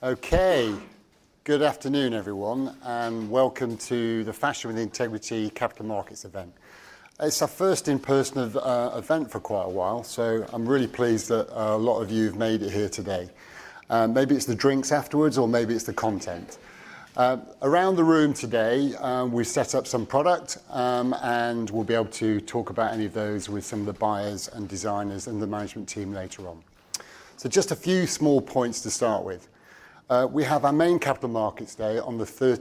Good afternoon, everyone, welcome to the Fashion with Integrity Capital Markets event. It's our first in-person event for quite a while; I'm really pleased that a lot of you have made it here today. Maybe it's the drinks afterwards or maybe it's the content. Around the room today, we've set up some product, we'll be able to talk about any of those with some of the buyers and designers and the management team later on. Just a few small points to start with. We have our main Capital Markets Day on the October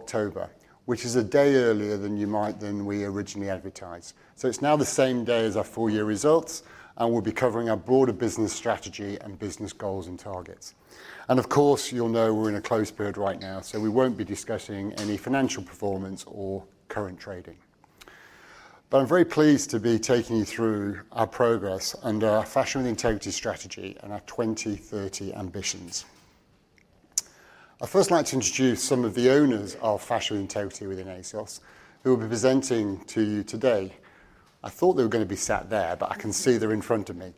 13th, which is a day earlier than we originally advertised. It's now the same day as our full-year results, we'll be covering our broader business strategy and business goals and targets. Of course, you'll know we're in a closed period right now, so we won't be discussing any financial performance or current trading. I'm very pleased to be taking you through our progress under our Fashion with Integrity strategy and our 2030 ambitions. I'd first like to introduce some of the owners of Fashion with Integrity within ASOS who will be presenting to you today. I thought they were going to be sat there, but I can see they're in front of me.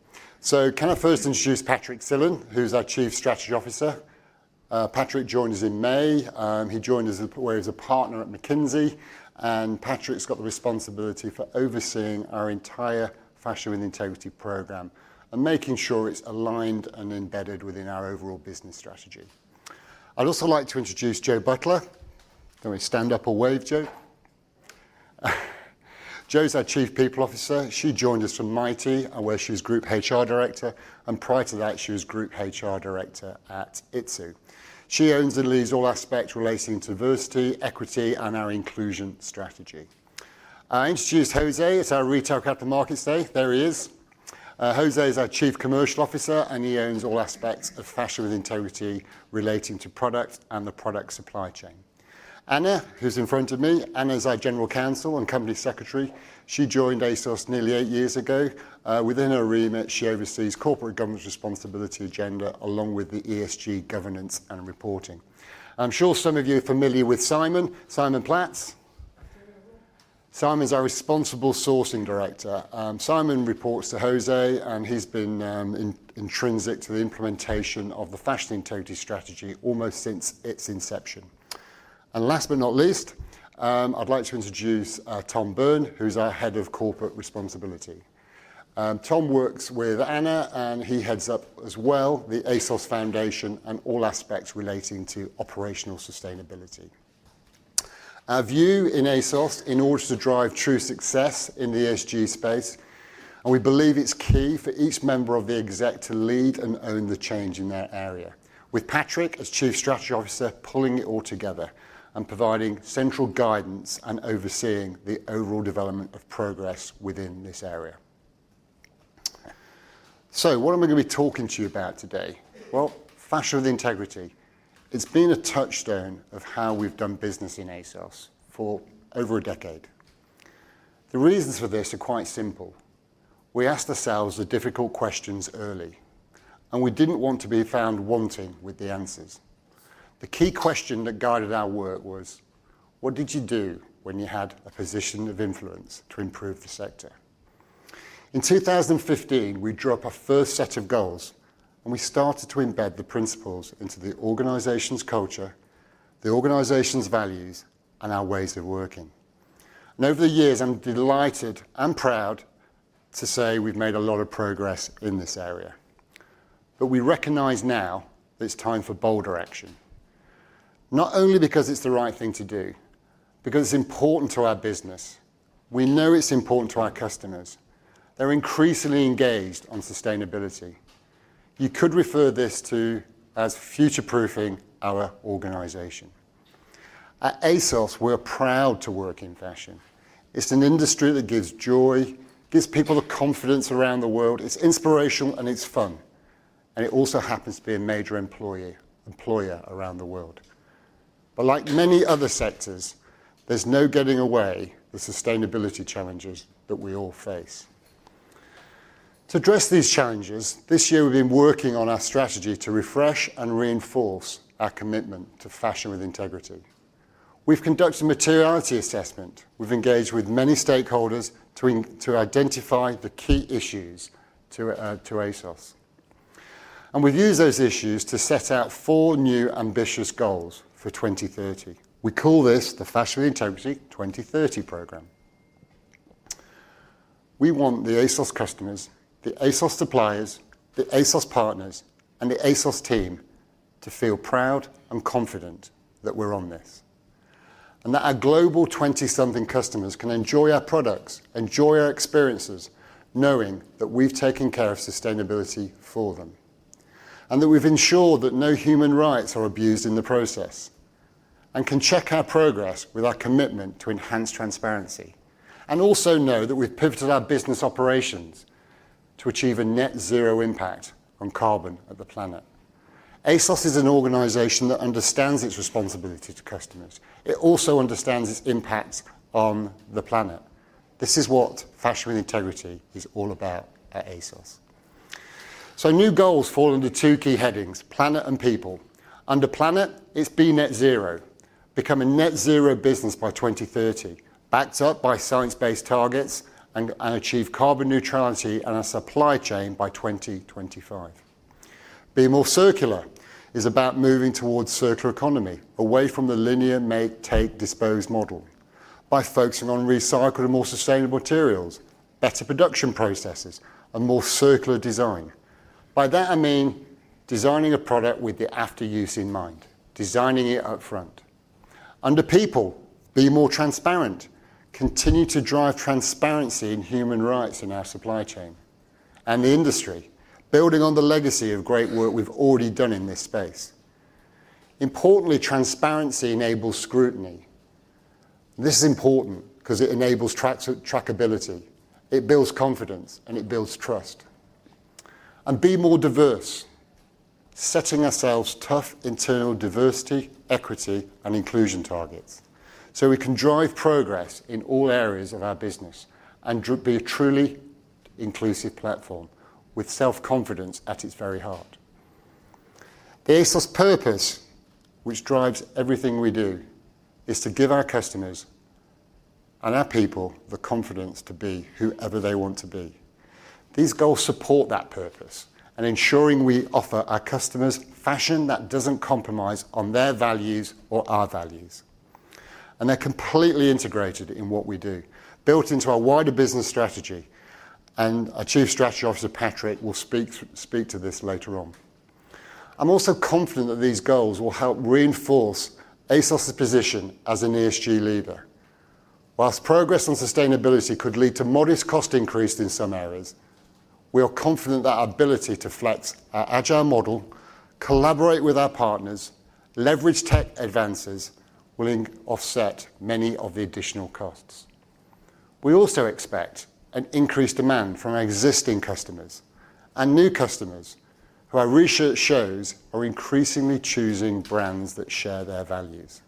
Can I first introduce Patrik Silén, who's our Chief Strategy Officer? Patrik joined us in May. He joined us where he was a partner at McKinsey, Patrik's got the responsibility for overseeing our entire Fashion with Integrity program and making sure it's aligned and embedded within our overall business strategy. I'd also like to introduce Jo Butler. Can we stand up or wave, Jo? Jo's our Chief People Officer. She joined us from Mitie, where she was Group HR Director, and prior to that, she was Group HR Director at Itsu. She owns and leads all aspects relating to diversity, equity, and our inclusion strategy. I introduce José at our retail capital markets day. There he is. José is our Chief Commercial Officer, and he owns all aspects of Fashion with Integrity relating to product and the product supply chain. Anna, who's in front of me. Anna's our General Counsel and Company Secretary. She joined ASOS nearly eight years ago. Within her remit, she oversees corporate governance responsibility agenda, along with the ESG governance and reporting. I'm sure some of you are familiar with Simon. Simon Platts. Simon's our Responsible Sourcing Director. Simon reports to José, and he's been intrinsic to the implementation of the Fashion Integrity strategy almost since its inception. Last but not least, I'd like to introduce Tom Byrne, who's our Head of Corporate Responsibility. Tom works with Anna, and he heads up as well the ASOS Foundation and all aspects relating to operational sustainability. Our view in ASOS, in order to drive true success in the ESG space, and we believe it's key for each member of the exec to lead and own the change in their area. With Patrik as Chief Strategy Officer pulling it all together and providing central guidance and overseeing the overall development of progress within this area. What am I going to be talking to you about today? Well, Fashion with Integrity. It's been a touchstone of how we've done business in ASOS for over a decade. The reasons for this are quite simple. We asked ourselves the difficult questions early. We didn't want to be found wanting with the answers. The key question that guided our work was: What did you do when you had a position of influence to improve the sector? In 2015, we drew up our first set of goals, and we started to embed the principles into the organization's culture, the organization's values, and our ways of working. Over the years, I'm delighted and proud to say we've made a lot of progress in this area. We recognize now that it's time for bolder action. Not only because it's the right thing to do. It's important to our business. We know it's important to our customers. They're increasingly engaged on sustainability. You could refer this to as future-proofing our organization. At ASOS, we're proud to work in fashion. It's an industry that gives joy, gives people the confidence around the world, it's inspirational and it's fun, and it also happens to be a major employer around the world. Like many other sectors, there's no getting away the sustainability challenges that we all face. To address these challenges, this year we've been working on our strategy to refresh and reinforce our commitment to Fashion with Integrity. We've conducted a materiality assessment. We've engaged with many stakeholders to identify the key issues to ASOS, we've used those issues to set out four new ambitious goals for 2030. We call this the Fashion with Integrity 2030 program. We want the ASOS customers, the ASOS suppliers, the ASOS partners, and the ASOS team to feel proud and confident that we're on this, and that our global 20-something customers can enjoy our products, enjoy our experiences, knowing that we've taken care of sustainability for them, and that we've ensured that no human rights are abused in the process, and can check our progress with our commitment to enhance transparency, and also know that we've pivoted our business operations to achieve a net zero impact on carbon of the planet. ASOS is an organization that understands its responsibility to customers. It also understands its impact on the planet. This is what Fashion with Integrity is all about at ASOS. New goals fall under two key headings, planet and people. Under planet, it's be net zero. Become a net zero business by 2030, backed up by science-based targets, and achieve carbon neutrality in our supply chain by 2025. Be more circular is about moving towards circular economy, away from the linear make, take, dispose model by focusing on recycled and more sustainable materials, better production processes, and more circular design. By that, I mean designing a product with the after-use in mind, designing it up front. Under people, be more transparent, continue to drive transparency in human rights in our supply chain and the industry, building on the legacy of great work we've already done in this space. Importantly, transparency enables scrutiny. This is important because it enables trackability, it builds confidence, and it builds trust. Be more diverse, setting ourselves tough internal diversity, equity, and inclusion targets so we can drive progress in all areas of our business and be a truly inclusive platform with self-confidence at its very heart. The ASOS purpose, which drives everything we do, is to give our customers and our people the confidence to be whoever they want to be. These goals support that purpose in ensuring we offer our customers fashion that doesn't compromise on their values or our values. They're completely integrated in what we do, built into our wider business strategy, and our Chief Strategy Officer, Patrik, will speak to this later on. I'm also confident that these goals will help reinforce ASOS' position as an ESG leader. Whilst progress on sustainability could lead to modest cost increase in some areas, we are confident that our ability to flex our agile model, collaborate with our partners, leverage tech advances, will offset many of the additional costs. We also expect an increased demand from our existing customers and new customers who our research shows are increasingly choosing brands that share their values.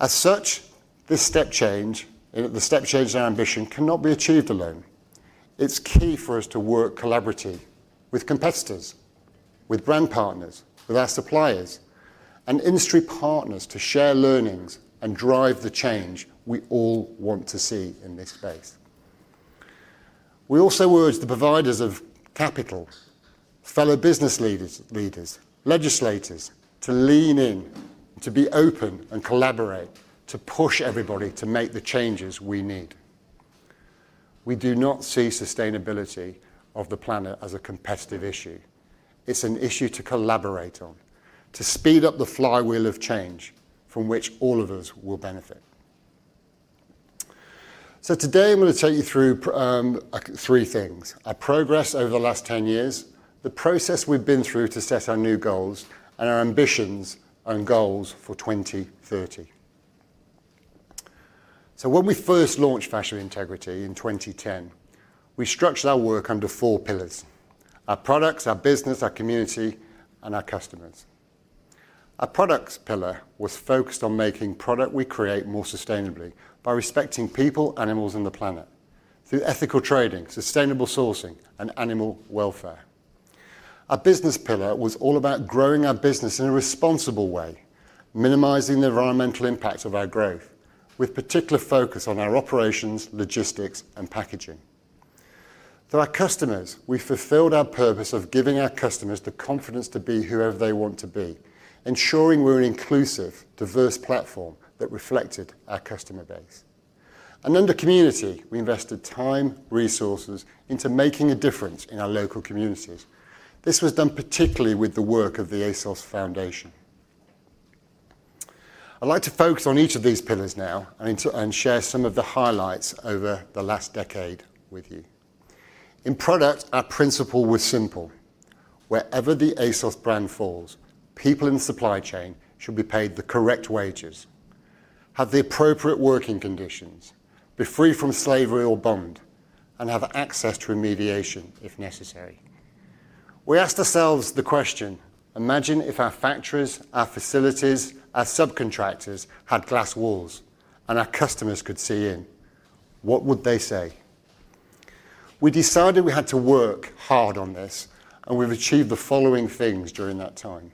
As such, the step change in our ambition cannot be achieved alone. It's key for us to work collaboratively with competitors, with brand partners, with our suppliers, and industry partners to share learnings and drive the change we all want to see in this space. We also urge the providers of capital, fellow business leaders, legislators to lean in, to be open, and collaborate, to push everybody to make the changes we need. We do not see sustainability of the planet as a competitive issue. It's an issue to collaborate on, to speed up the flywheel of change from which all of us will benefit. Today, I'm going to take you through three things: our progress over the last 10 years, the process we've been through to set our new goals, and our ambitions and goals for 2030. When we first launched Fashion with Integrity in 2010, we structured our work under four pillars: our products, our business, our community, and our customers. Our products pillar was focused on making product we create more sustainably by respecting people, animals, and the planet through ethical trading, sustainable sourcing, and animal welfare. Our business pillar was all about growing our business in a responsible way, minimizing the environmental impact of our growth, with particular focus on our operations, logistics, and packaging. Through our customers, we fulfilled our purpose of giving our customers the confidence to be whoever they want to be, ensuring we're an inclusive, diverse platform that reflected our customer base. Under community, we invested time, resources into making a difference in our local communities. This was done particularly with the work of the ASOS Foundation. I'd like to focus on each of these pillars now and share some of the highlights over the last decade with you. In product, our principle was simple. Wherever the ASOS brand falls, people in the supply chain should be paid the correct wages, have the appropriate working conditions, be free from slavery or bond, and have access to remediation if necessary. We asked ourselves the question: imagine if our factories, our facilities, our subcontractors had glass walls and our customers could see in, what would they say? We decided we had to work hard on this, and we've achieved the following things during that time.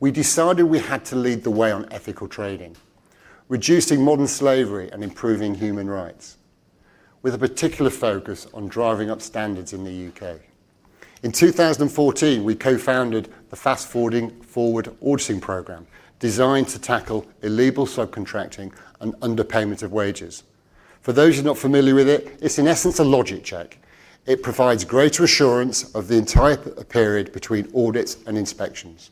We decided we had to lead the way on ethical trading, reducing modern slavery and improving human rights with a particular focus on driving up standards in the U.K. In 2014, we co-founded the Fast Forward Auditing Program, designed to tackle illegal subcontracting and underpayment of wages. For those who are not familiar with it's in essence a logic check. It provides greater assurance of the entire period between audits and inspections.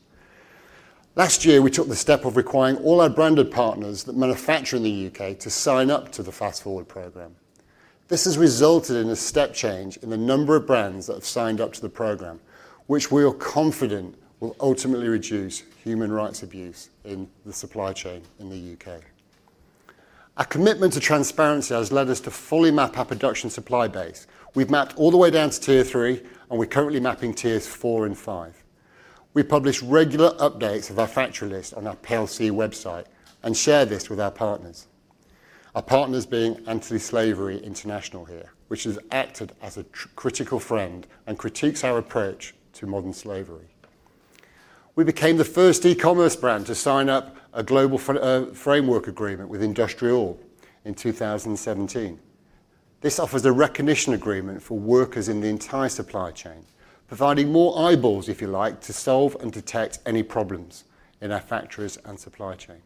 Last year, we took the step of requiring all our branded partners that manufacture in the U.K. to sign up to the Fast Forward Program. This has resulted in a step change in the number of brands that have signed up to the program, which we are confident will ultimately reduce human rights abuse in the supply chain in the U.K. Our commitment to transparency has led us to fully map our production supply base. We've mapped all the way down to tier three, and we're currently mapping tiers four and five. We publish regular updates of our factory list on our PLC website and share this with our partners. Our partners being Anti-Slavery International here, which has acted as a critical friend and critiques our approach to modern slavery. We became the first e-commerce brand to sign up a global framework agreement with IndustriALL in 2017. This offers a recognition agreement for workers in the entire supply chain, providing more eyeballs, if you like, to solve and detect any problems in our factories and supply chain.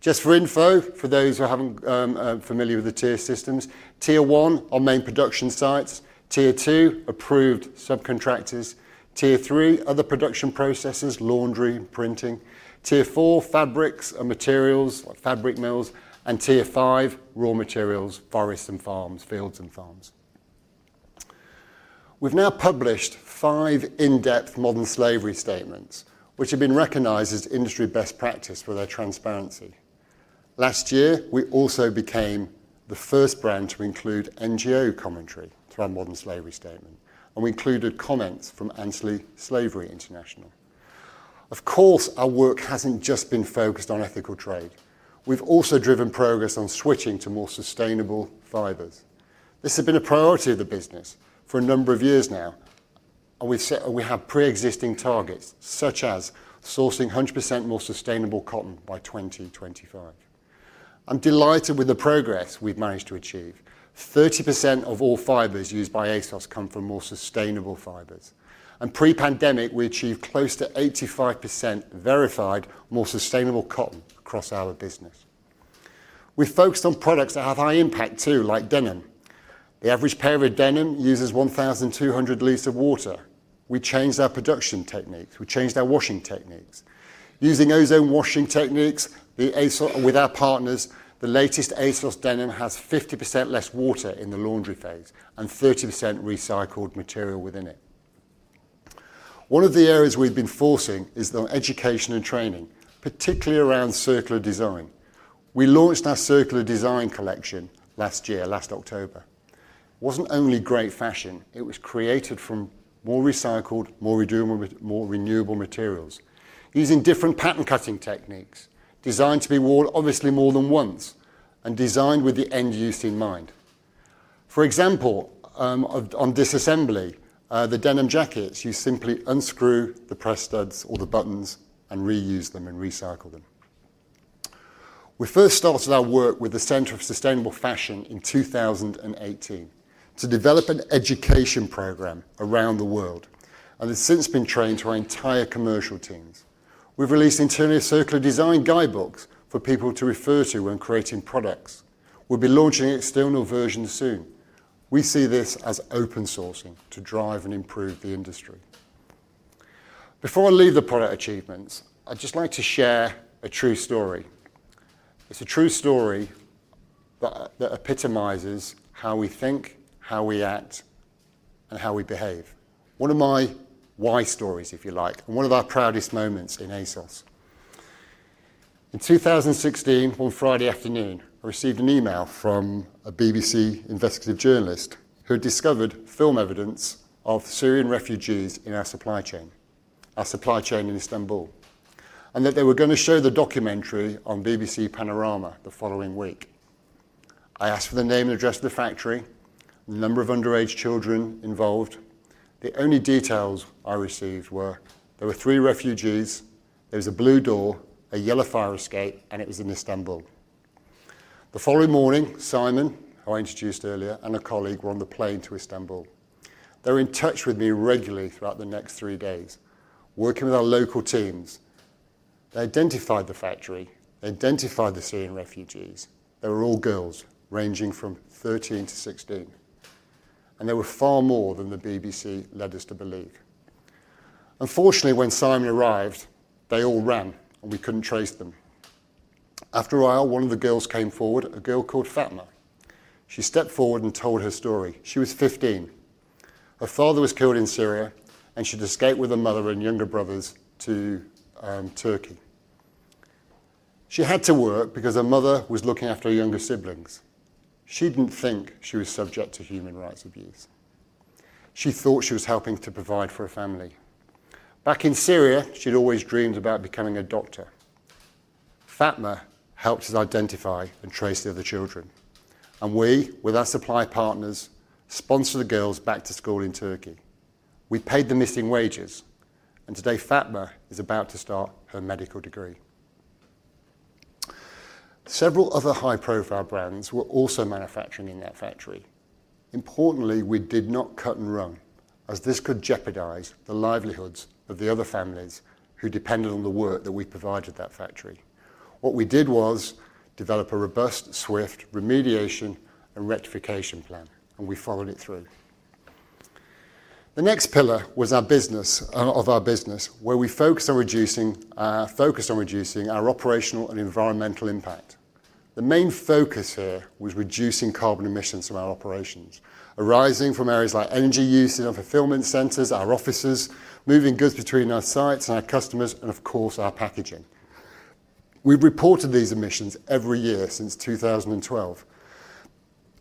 Just for info, for those who aren't familiar with the tier systems, tier one, our main production sites. Tier two, approved subcontractors. Tier three, other production processes, laundry, printing. Tier four, fabrics and materials like fabric mills. Tier five, raw materials, forests and farms, fields and farms. We've now published five in-depth modern slavery statements, which have been recognized as industry best practice for their transparency. Last year, we also became the first brand to include NGO commentary to our modern slavery statement. We included comments from Anti-Slavery International. Of course, our work hasn't just been focused on ethical trade. We've also driven progress on switching to more sustainable fibers. This has been a priority of the business for a number of years now, and we have preexisting targets, such as sourcing 100% more sustainable cotton by 2025. I'm delighted with the progress we've managed to achieve. 30% of all fibers used by ASOS come from more sustainable fibers. Pre-pandemic, we achieved close to 85% verified more sustainable cotton across our business. We focused on products that have high impact too, like denim. The average pair of denim uses 1,200 L of water. We changed our production techniques. We changed our washing techniques. Using ozone washing techniques with our partners, the latest ASOS denim has 50% less water in the laundry phase and 30% recycled material within it. One of the areas we've been focusing is on education and training, particularly around circular design. We launched our circular design collection last year, last October. It wasn't only great fashion, it was created from more recycled, more renewable materials using different pattern cutting techniques, designed to be worn obviously more than once, and designed with the end use in mind. For example, on disassembly, the denim jackets, you simply unscrew the press studs or the buttons and reuse them and recycle them. We first started our work with the Centre for Sustainable Fashion in 2018 to develop an education program around the world. It's since been trained to our entire commercial teams. We've released internal circular design guidebooks for people to refer to when creating products. We'll be launching an external version soon. We see this as open sourcing to drive and improve the industry. Before I leave the product achievements, I'd just like to share a true story. It's a true story that epitomizes how we think, how we act, and how we behave. One of my why stories, if you like, and one of our proudest moments in ASOS. In 2016, one Friday afternoon, I received an email from a BBC investigative journalist who had discovered film evidence of Syrian refugees in our supply chain, our supply chain in Istanbul, and that they were going to show the documentary on BBC Panorama the following week. I asked for the name and address of the factory, the number of underage children involved. The only details I received were there were three refugees, there was a blue door, a yellow fire escape, and it was in Istanbul. The following morning, Simon, who I introduced earlier, and a colleague were on the plane to Istanbul. They were in touch with me regularly throughout the next three days, working with our local teams. They identified the factory; they identified the Syrian refugees. They were all girls ranging from 13 to 16. There were far more than the BBC led us to believe. Unfortunately, when Simon arrived, they all ran, and we couldn't trace them. After a while, one of the girls came forward, a girl called Fatma. She stepped forward and told her story. She was 15. Her father was killed in Syria, and she'd escaped with her mother and younger brothers to Turkey. She had to work because her mother was looking after her younger siblings. She didn't think she was subject to human rights abuse. She thought she was helping to provide for her family. Back in Syria, she'd always dreamed about becoming a doctor. Fatma helped us identify and trace the other children, and we, with our supply partners, sponsored the girls back to school in Turkey. We paid the missing wages, and today Fatma is about to start her medical degree. Several other high-profile brands were also manufacturing in that factory. Importantly, we did not cut and run, as this could jeopardize the livelihoods of the other families who depended on the work that we provided that factory. What we did was develop a robust, swift remediation and rectification plan, and we followed it through. The next pillar was our business, where we focused on reducing our operational and environmental impact. The main focus here was reducing carbon emissions from our operations, arising from areas like energy use in our fulfillment centers, our offices, moving goods between our sites and our customers, and of course, our packaging. We've reported these emissions every year since 2012.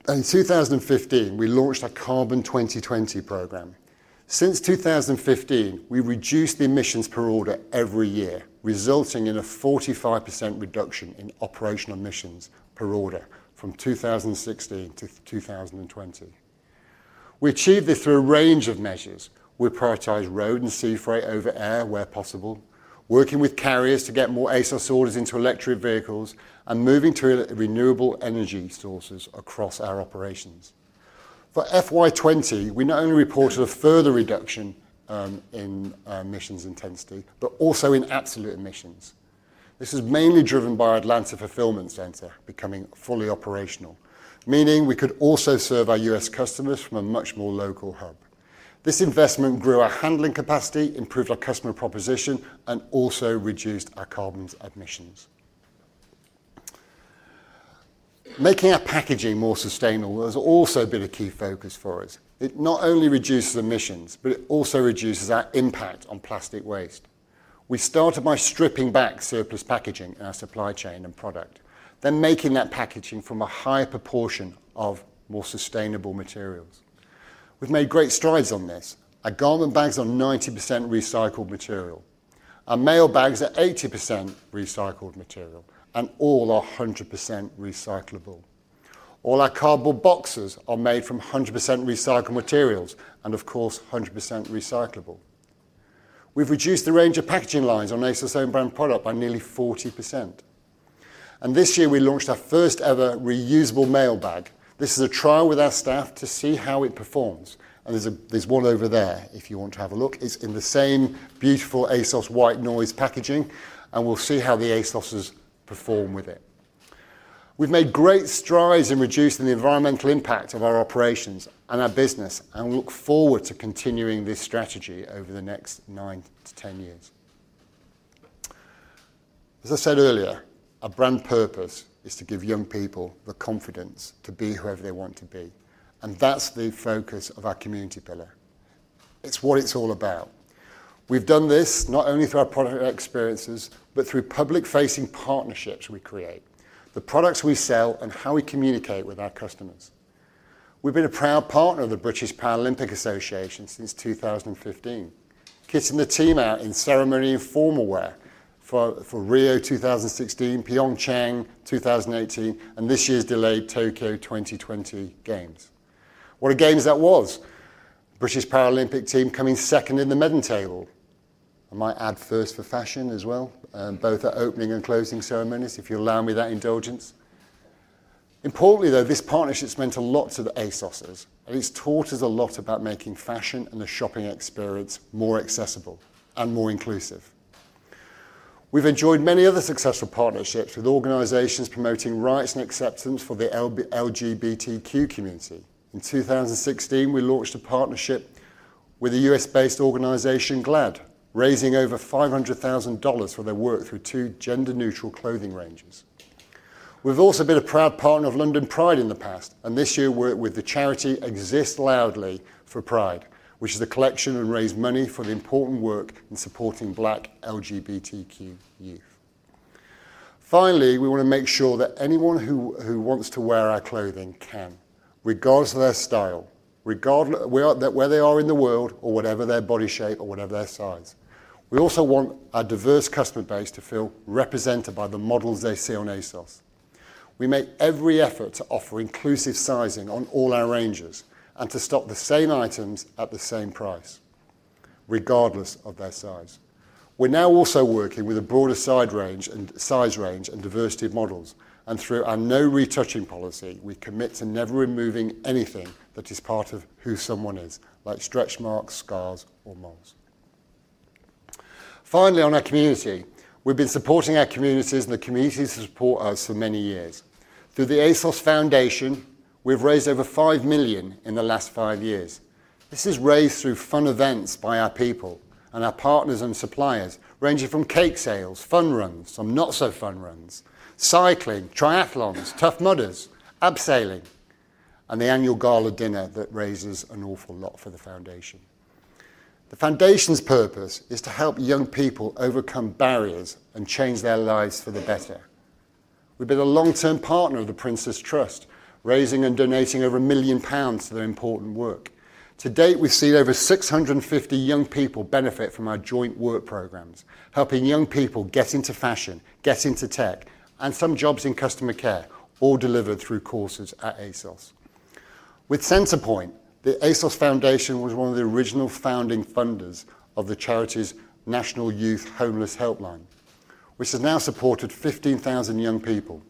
In 2015, we launched a Carbon 2020 program. Since 2015, we've reduced the emissions per order every year, resulting in a 45% reduction in operational emissions per order from 2016 to 2020. We achieved this through a range of measures. We prioritize road and sea freight over air where possible, working with carriers to get more ASOS orders into electric vehicles, and moving to renewable energy sources across our operations. For FY 2020, we not only reported a further reduction in emissions intensity, but also in absolute emissions. This is mainly driven by our Atlanta fulfillment center becoming fully operational, meaning we could also serve our U.S. customers from a much more local hub. This investment grew our handling capacity, improved our customer proposition, and also reduced our carbon emissions. Making our packaging more sustainable has also been a key focus for us. It not only reduces emissions, but it also reduces our impact on plastic waste. We started by stripping back surplus packaging in our supply chain and product, then making that packaging from a higher proportion of more sustainable materials. We've made great strides on this. Our garment bags are 90% recycled material. Our mail bags are 80% recycled material. All are 100% recyclable. All our cardboard boxes are made from 100% recycled materials. Of course, 100% recyclable. We've reduced the range of packaging lines on ASOS own brand product by nearly 40%. This year we launched our first ever reusable mail bag. This is a trial with our staff to see how it performs. There's one over there if you want to have a look. It's in the same beautiful ASOS white noise packaging. We'll see how the ASOSers perform with it. We've made great strides in reducing the environmental impact of our operations and our business and look forward to continuing this strategy over the next nine to 10 years. As I said earlier, our brand purpose is to give young people the confidence to be whoever they want to be, and that's the focus of our community pillar. It's what it's all about. We've done this not only through our product experiences, but through public-facing partnerships we create, the products we sell, and how we communicate with our customers. We've been a proud partner of the British Paralympic Association since 2015, kitting the team out in ceremony and formal wear for Rio 2016, Pyeongchang 2018, and this year's delayed Tokyo 2020 Games. What a Games that was. British Paralympic team coming second in the medal table. I might add first for fashion as well, both at opening and closing ceremonies, if you'll allow me that indulgence. Importantly, though, this partnership's meant a lot to the ASOSers, and it's taught us a lot about making fashion and the shopping experience more accessible and more inclusive. We've enjoyed many other successful partnerships with organizations promoting rights and acceptance for the LGBTQ community. In 2016, we launched a partnership with the U.S.-based organization GLAAD, raising over $500,000 for their work through two gender-neutral clothing ranges. We've also been a proud partner of London Pride in the past. This year worked with the charity Exist Loudly for Pride, which is a collection that raised money for the important work in supporting Black LGBTQ youth. Finally, we want to make sure that anyone who wants to wear our clothing can, regardless of their style, regardless of where they are in the world, or whatever their body shape or whatever their size. We also want our diverse customer base to feel represented by the models they see on ASOS. We make every effort to offer inclusive sizing on all our ranges, and to stock the same items at the same price, regardless of their size. We're now also working with a broader size range and diversity of models, and through our no retouching policy, we commit to never removing anything that is part of who someone is, like stretch marks, scars, or moles. Finally, on our community, we've been supporting our communities, and the communities support us for many years. Through the ASOS Foundation, we've raised over 5 million in the last five years. This is raised through fun events by our people and our partners and suppliers, ranging from cake sales, fun runs, some not so fun runs, cycling, triathlons, Tough Mudders, abseiling, and the annual gala dinner that raises an awful lot for the foundation. The foundation's purpose is to help young people overcome barriers and change their lives for the better. We've been a long-term partner of The King's Trust, raising and donating over 1 million pounds to their important work. To date, we've seen over 650 young people benefit from our joint work programs, helping young people get into fashion, get into tech, and some jobs in customer care, all delivered through courses at ASOS. With Centrepoint, the ASOS Foundation was one of the original founding funders of the charity's National Youth Homeless Helpline, which has now supported 15,000 young people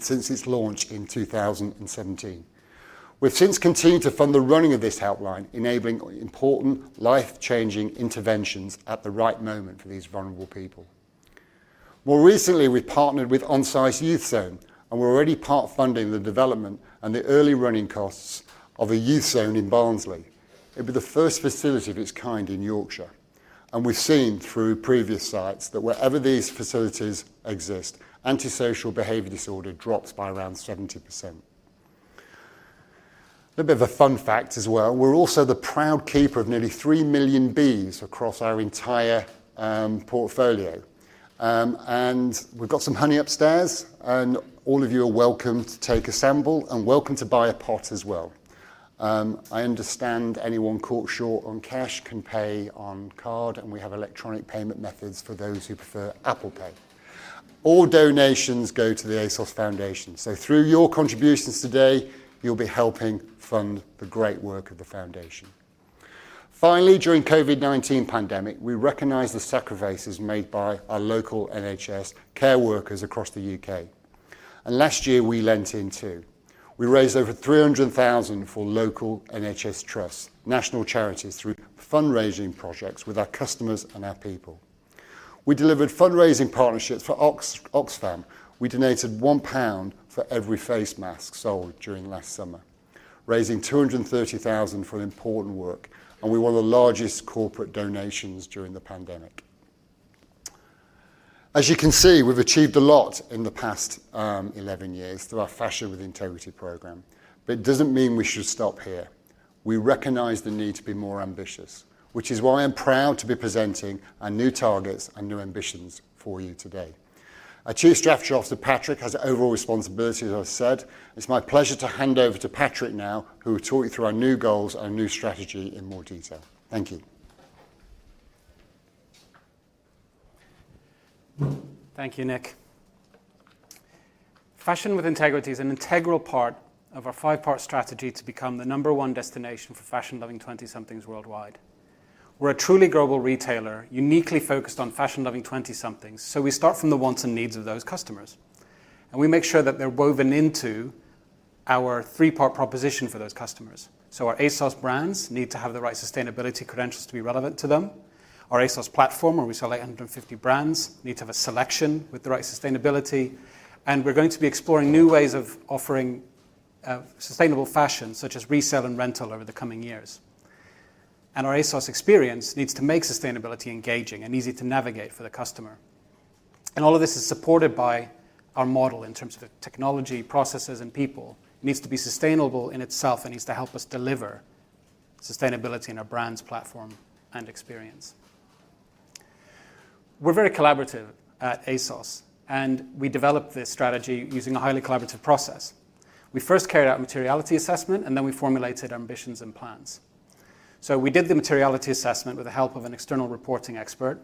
since its launch in 2017. We've since continued to fund the running of this helpline, enabling important life-changing interventions at the right moment for these vulnerable people. More recently, we've partnered with OnSide Youth Zone, and we're already part-funding the development and the early running costs of a youth zone in Barnsley. It'll be the first facility of its kind in Yorkshire, and we've seen through previous sites that wherever these facilities exist, antisocial behavior disorder drops by around 70%. A bit of a fun fact as well, we're also the proud keeper of nearly three million bees across our entire portfolio. We've got some honey upstairs, and all of you are welcome to take a sample, and welcome to buy a pot as well. I understand anyone caught short on cash can pay on card, and we have electronic payment methods for those who prefer Apple Pay. All donations go to the ASOS Foundation. Through your contributions today, you'll be helping fund the great work of the ASOS Foundation. Finally, during COVID-19 pandemic, we recognized the sacrifices made by our local NHS care workers across the U.K. Last year we lent in too. We raised over 300,000 for local NHS trusts, national charities, through fundraising projects with our customers and our people. We delivered fundraising partnerships for Oxfam. We donated 1 pound for every face mask sold during last summer, raising 230,000 for an important work, and we were one of the largest corporate donations during the pandemic. As you can see, we've achieved a lot in the past 11 years through our Fashion with Integrity program, but it doesn't mean we should stop here. We recognize the need to be more ambitious, which is why I'm proud to be presenting our new targets and new ambitions for you today. Our Chief Strategy Officer, Patrik, has overall responsibility, as I said. It's my pleasure to hand over to Patrik now, who will talk you through our new goals and our new strategy in more detail. Thank you. Thank you, Nick. Fashion with Integrity is an integral part of our five-part strategy to become the number one destination for fashion-loving 20-somethings worldwide. We're a truly global retailer, uniquely focused on fashion-loving 20-somethings. We start from the wants and needs of those customers, and we make sure that they're woven into our three-part proposition for those customers. Our ASOS brands need to have the right sustainability credentials to be relevant to them. Our ASOS platform, where we sell 850 brands, needs to have a selection with the right sustainability, and we're going to be exploring new ways of offering sustainable fashion, such as resale and rental over the coming years. Our ASOS experience needs to make sustainability engaging and easy to navigate for the customer. All of this is supported by our model in terms of the technology, processes, and people. It needs to be sustainable in itself and needs to help us deliver sustainability in our brands, platform, and experience. We're very collaborative at ASOS, and we developed this strategy using a highly collaborative process. We first carried out materiality assessment, and then we formulated ambitions and plans. We did the materiality assessment with the help of an external reporting expert,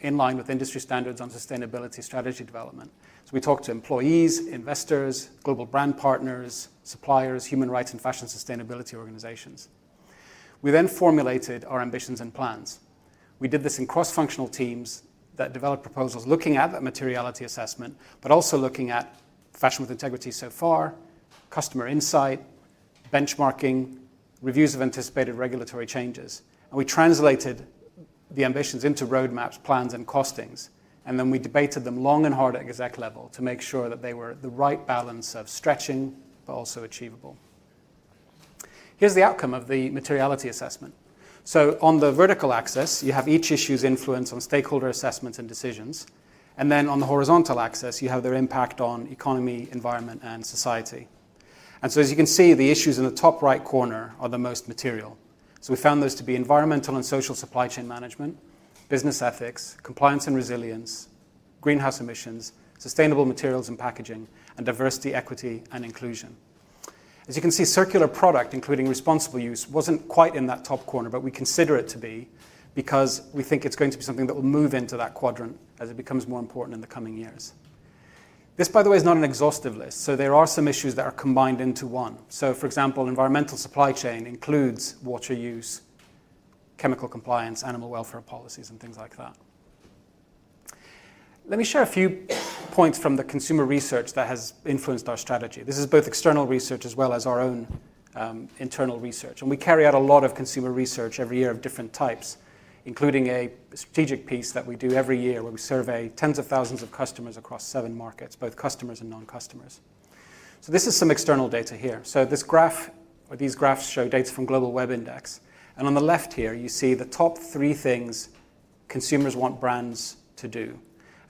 in line with industry standards on sustainability strategy development. We talked to employees, investors, global brand partners, suppliers, human rights and fashion sustainability organizations. We then formulated our ambitions and plans. We did this in cross-functional teams that developed proposals looking at that materiality assessment, but also looking at Fashion with Integrity so far, customer insight, benchmarking, reviews of anticipated regulatory changes. We translated the ambitions into roadmaps, plans, and costings, then we debated them long and hard at exec level to make sure that they were the right balance of stretching, but also achievable. Here's the outcome of the materiality assessment. On the vertical axis, you have each issue's influence on stakeholder assessments and decisions. On the horizontal axis, you have their impact on economy, environment, and society. As you can see, the issues in the top right corner are the most material. We found those to be environmental and social supply chain management, business ethics, compliance and resilience, greenhouse emissions, sustainable materials and packaging, and diversity, equity, and inclusion. As you can see, circular product, including responsible use, wasn't quite in that top corner, but we consider it to be, because we think it's going to be something that will move into that quadrant as it becomes more important in the coming years. This, by the way, is not an exhaustive list, there are some issues that are combined into one. For example, environmental supply chain includes water use, chemical compliance, animal welfare policies, and things like that. Let me share a few points from the consumer research that has influenced our strategy. This is both external research as well as our own internal research. We carry out a lot of consumer research every year of different types, including a strategic piece that we do every year where we survey 10s of thousands of customers across seven markets, both customers and non-customers. This is some external data here. This graph, or these graphs, show data from GWI. On the left here, you see the top three things' consumers want brands to do.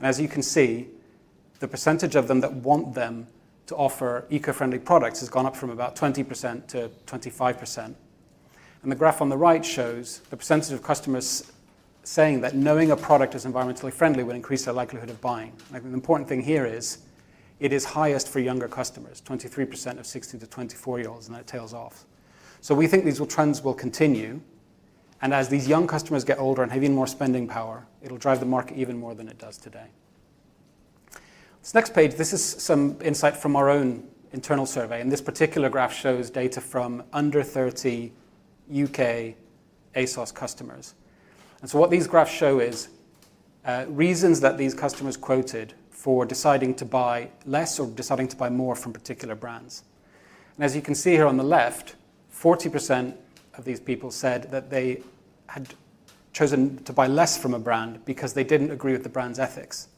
As you can see, the percentage of them that want them to offer eco-friendly products has gone up from about 20%-25%. The graph on the right shows the percentage of customers saying that knowing a product is environmentally friendly will increase their likelihood of buying. The important thing here is it is highest for younger customers, 23% of 16-24-year-olds, and that tails off. We think these trends will continue, and as these young customers get older and have even more spending power, it'll drive the market even more than it does today. This next page, this is some insight from our own internal survey. This particular graph shows data from under 30 U.K. ASOS customers. What these graphs show is reasons that these customers quoted for deciding to buy less or deciding to buy more from particular brands. As you can see here on the left, 40% of these people said that they had chosen to buy less from a brand because they didn't agree with the brand's ethics.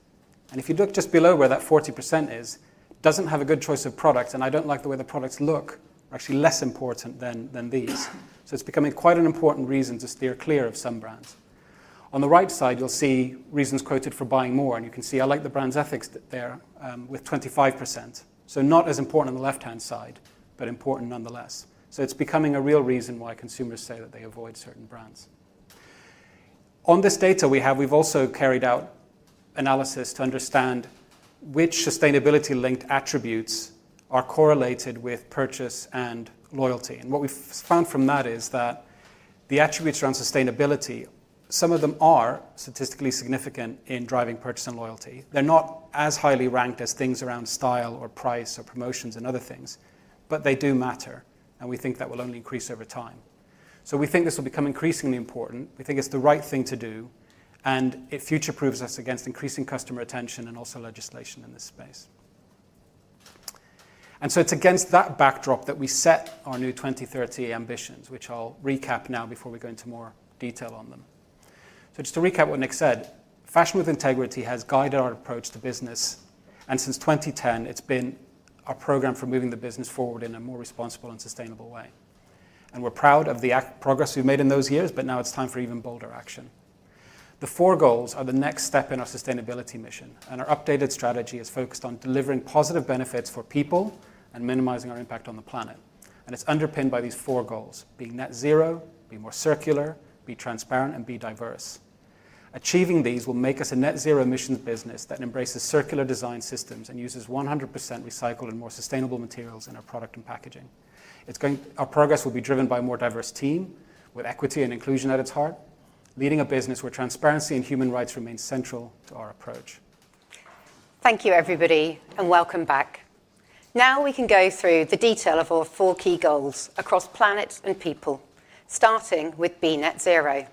If you look just below where that 40% is, doesn't have a good choice of product and I don't like the way the products look are actually less important than these. It's becoming quite an important reason to steer clear of some brands. On the right side, you'll see reasons quoted for buying more. You can see, "I like the brand's ethics," there with 25%. Not as important on the left-hand side, but important nonetheless. It's becoming a real reason why consumers say that they avoid certain brands. On this data we have, we've also carried out analysis to understand which sustainability-linked attributes are correlated with purchase and loyalty. What we've found from that is that the attributes around sustainability, some of them are statistically significant in driving purchase and loyalty. They're not as highly ranked as things around style or price or promotions and other things, but they do matter, and we think that will only increase over time. We think this will become increasingly important. We think it's the right thing to do, and it future proofs us against increasing customer retention and also legislation in this space. It's against that backdrop that we set our new 2030 ambitions, which I'll recap now before we go into more detail on them. Just to recap what Nick said, Fashion with Integrity has guided our approach to business, and since 2010, it's been our program for moving the business forward in a more responsible and sustainable way. We're proud of the progress we've made in those years, but now it's time for even bolder action. The four` goals are the next step in our sustainability mission, and our updated strategy is focused on delivering positive benefits for people and minimizing our impact on the planet. It's underpinned by these four goals: Be net zero, Be More Circular, Be Transparent, and Be Diverse. Achieving these will make us a net zero emissions business that embraces circular design systems and uses 100% recycled and more sustainable materials in our product and packaging. Our progress will be driven by a more diverse team with equity and inclusion at its heart, leading a business where transparency and human rights remain central to our approach. Thank you everybody, and welcome back. Now we can go through the detail of our four key goals across planet and people, starting with be net zero.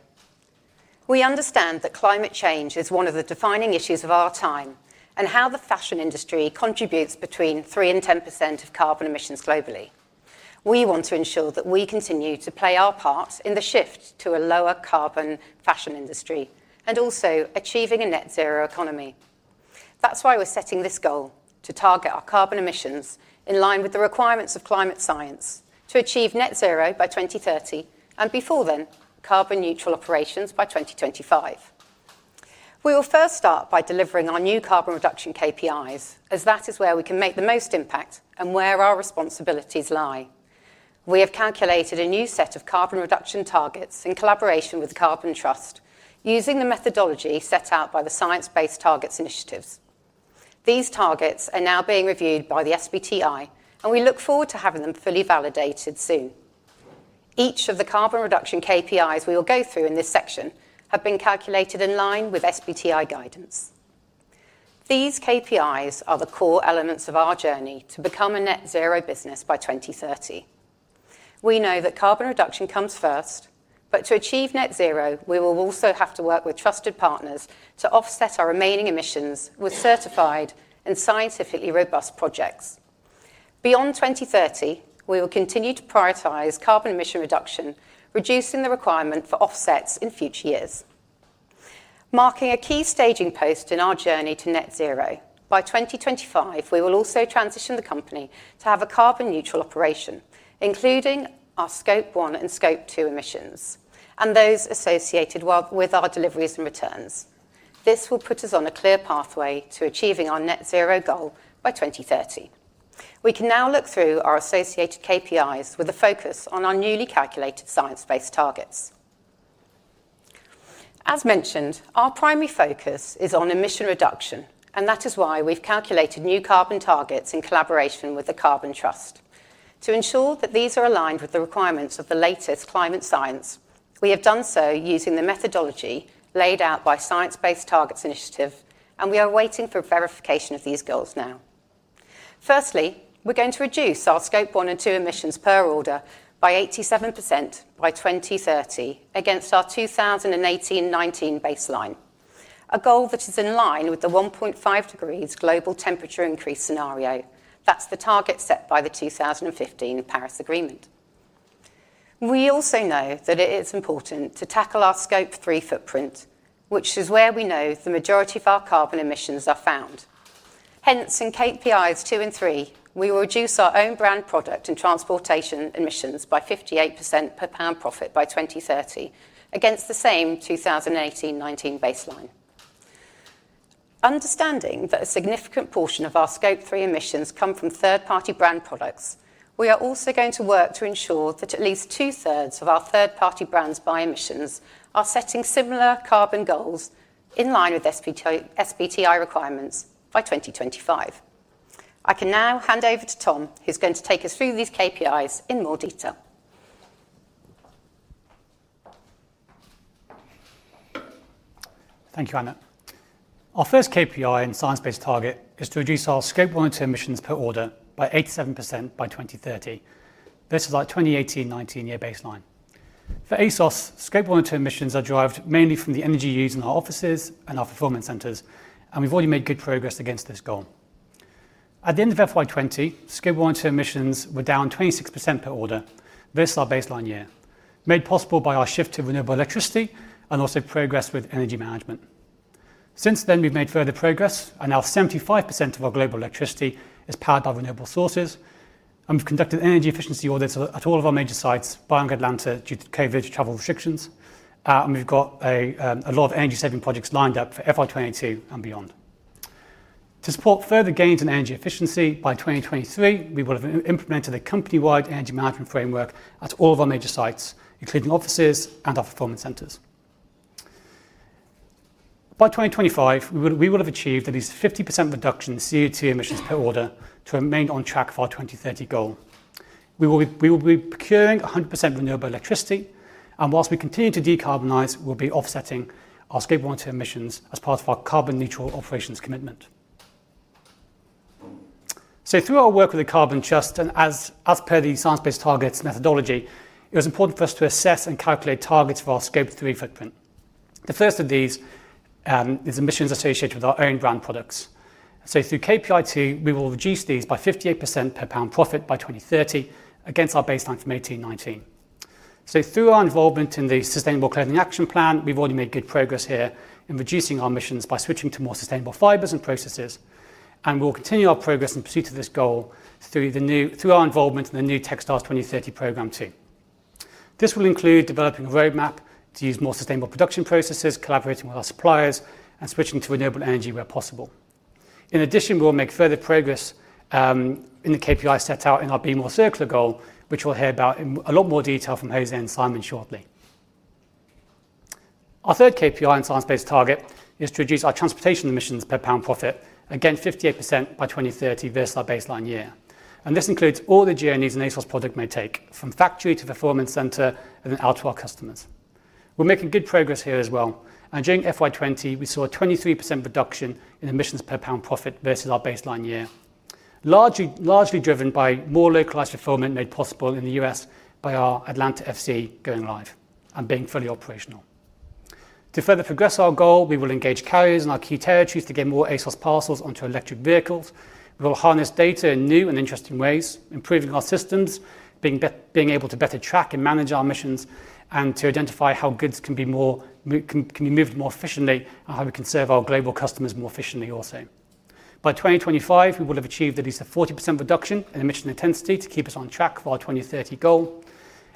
We understand that climate change is one of the defining issues of our time and how the fashion industry contributes between 3% and 10% of carbon emissions globally. We want to ensure that we continue to play our part in the shift to a lower carbon fashion industry, and also achieving a net zero economy. That's why we're setting this goal to target our carbon emissions in line with the requirements of climate science to achieve net zero by 2030, and before then, carbon neutral operations by 2025. We will first start by delivering our new carbon reduction KPIs, as that is where we can make the most impact and where our responsibilities lie. We have calculated a new set of carbon reduction targets in collaboration with the Carbon Trust, using the methodology set out by the Science Based Targets initiative. These targets are now being reviewed by the SBTi, and we look forward to having them fully validated soon. Each of the carbon reduction KPIs we will go through in this section have been calculated in line with SBTi guidance. These KPIs are the core elements of our journey to become a net zero business by 2030. We know that carbon reduction comes first, but to achieve net zero, we will also have to work with trusted partners to offset our remaining emissions with certified and scientifically robust projects. Beyond 2030, we will continue to prioritize carbon emission reduction, reducing the requirement for offsets in future years. Marking a key staging post in our journey to net zero, by 2025, we will also transition the company to have a carbon neutral operation, including our Scope 1 and Scope two emissions, and those associated with our deliveries and returns. This will put us on a clear pathway to achieving our net zero goal by 2030. We can now look through our associated KPIs with a focus on our newly calculated science-based targets. As mentioned, our primary focus is on emission reduction, that is why we've calculated new carbon targets in collaboration with the Carbon Trust. To ensure that these are aligned with the requirements of the latest climate science, we have done so using the methodology laid out by Science Based Targets initiative, we are waiting for verification of these goals now. We're going to reduce our Scope 1 and 2 emissions per order by 87% by 2030 against our 2018-2019 baseline, a goal that is in line with the 1.5 degrees global temperature increase scenario. That's the target set by the 2015 Paris Agreement. We also know that it's important to tackle our Scope three footprint, which is where we know the majority of our carbon emissions are found. In KPIs two and three, we will reduce our own brand product and transportation emissions by 58% per GBP profit by 2030 against the same 2018-2019 baseline. Understanding that a significant portion of our Scope three emissions come from third-party brand products, we are also going to work to ensure that at least 2/3 of our third-party brands by emissions are setting similar carbon goals in line with SBTi requirements by 2025. I can now hand over to Tom, who's going to take us through these KPIs in more detail. Thank you, Anna. Our first KPI and science-based target is to reduce our Scope 1 and 2 emissions per order by 87% by 2030. This is our 2018–2019-year baseline. For ASOS, Scope 1 and 2 emissions are derived mainly from the energy used in our offices and our fulfillment centers, and we've already made good progress against this goal. At the end of FY 2020, Scope 1 and 2 emissions were down 26% per order versus our baseline year, made possible by our shift to renewable electricity and also progress with energy management. Since then, we've made further progress, and now 75% of our global electricity is powered by renewable sources, and we've conducted energy efficiency audits at all of our major sites barring Atlanta due to COVID travel restrictions. We've got a lot of energy-saving projects lined up for FY 2022 and beyond. To support further gains in energy efficiency, by 2023, we will have implemented a company-wide energy management framework at all of our major sites, including offices and our fulfillment centers. By 2025, we will have achieved at least 50% reduction in CO2 emissions per order to remain on track for our 2030 goal. We will be procuring 100% renewable electricity, and whilst we continue to decarbonize, we'll be offsetting our Scope one, two emissions as part of our carbon neutral operations commitment. Through our work with the Carbon Trust and as per the science-based targets methodology, it was important for us to assess and calculate targets for our Scope three footprint. The first of these is emissions associated with our own brand products. Through KPI two, we will reduce these by 58% per pound profit by 2030 against our baseline from 2018-2019. Through our involvement in the Sustainable Clothing Action Plan, we've already made good progress here in reducing our emissions by switching to more sustainable fibers and processes, and we'll continue our progress in pursuit of this goal through our involvement in the new Textiles 2030 program too. This will include developing a roadmap to use more sustainable production processes, collaborating with our suppliers, and switching to renewable energy where possible. In addition, we'll make further progress in the KPI set out in our Be More Circular goal, which we'll hear about in a lot more detail from Jose and Simon shortly. Our third KPI and science-based target is to reduce our transportation emissions per pound profit against 58% by 2030 versus our baseline year. This includes all the journeys an ASOS product may take, from factory to the fulfillment center, and then out to our customers. We're making good progress here as well. During FY 2020, we saw a 23% reduction in emissions per pound profit versus our baseline year. Largely driven by more localized fulfillment made possible in the U.S. by our Atlanta FC going live and being fully operational. To further progress our goal, we will engage carriers in our key territories to get more ASOS parcels onto electric vehicles. We will harness data in new and interesting ways, improving our systems, being able to better track and manage our emissions, and to identify how goods can be moved more efficiently and how we can serve our global customers more efficiently also. By 2025, we will have achieved at least a 40% reduction in emission intensity to keep us on track for our 2030 goal.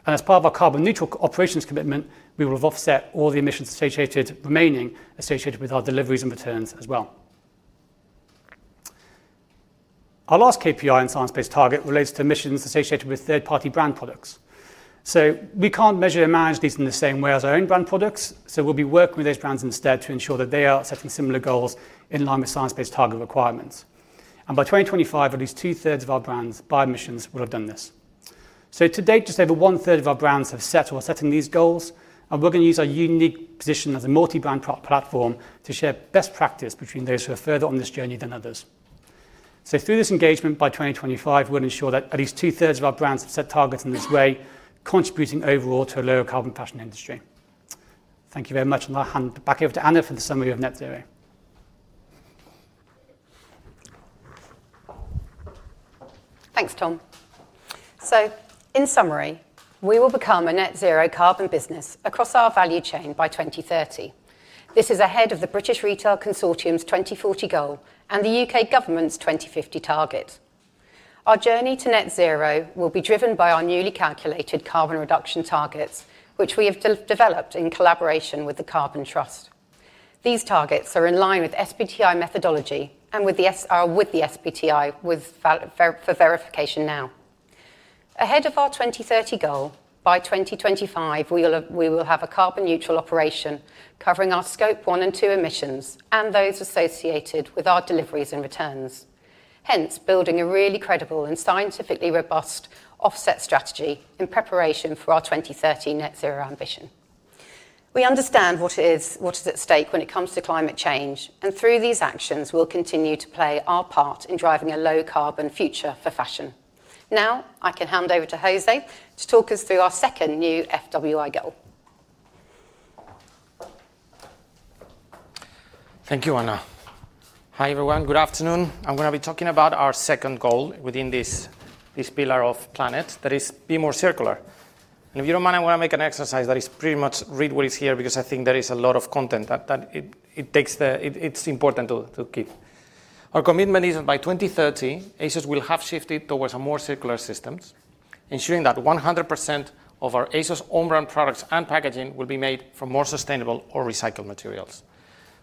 As part of our carbon neutral operations commitment, we will have offset all the emissions remaining associated with our deliveries and returns as well. Our last KPI and Science-Based Target relates to emissions associated with third-party brand products. We can't measure and manage these in the same way as our own brand products, so we'll be working with those brands instead to ensure that they are setting similar goals in line with Science-Based Target requirements. By 2025, at least 2/3 of our brands by emissions will have done this. To date, just over 1/3 of our brands have set or are setting these goals, and we're going to use our unique position as a multi-brand platform to share best practice between those who are further on this journey than others. Through this engagement, by 2025, we'll ensure that at least 2/3 of our brands have set targets in this way, contributing overall to a lower carbon fashion industry. Thank you very much, and I'll hand back over to Anna for the summary of net zero. Thanks, Tom. In summary, we will become a net zero carbon business across our value chain by 2030. This is ahead of the British Retail Consortium's 2040 goal and the U.K. government's 2050 target. Our journey to net zero will be driven by our newly calculated carbon reduction targets, which we have developed in collaboration with the Carbon Trust. These targets are in line with SBTi methodology and with the SBTi for verification now. Ahead of our 2030 goal, by 2025, we will have a carbon neutral operation covering our Scope 1 and 2 emissions and those associated with our deliveries and returns, hence building a really credible and scientifically robust offset strategy in preparation for our 2030 net zero ambition. We understand what is at stake when it comes to climate change, and through these actions, we'll continue to play our part in driving a low carbon future for fashion. Now, I can hand over to Jose to talk us through our second new FWI goal. Thank you, Anna. Hi, everyone. Good afternoon. I'm going to be talking about our second goal within this pillar of planet. That is be more circular. If you don't mind, I want to make an exercise that is pretty much read what is here, because I think there is a lot of content that it's important to keep. Our commitment is that by 2030, ASOS will have shifted towards a more circular systems, ensuring that 100% of our ASOS own brand products and packaging will be made from more sustainable or recycled materials,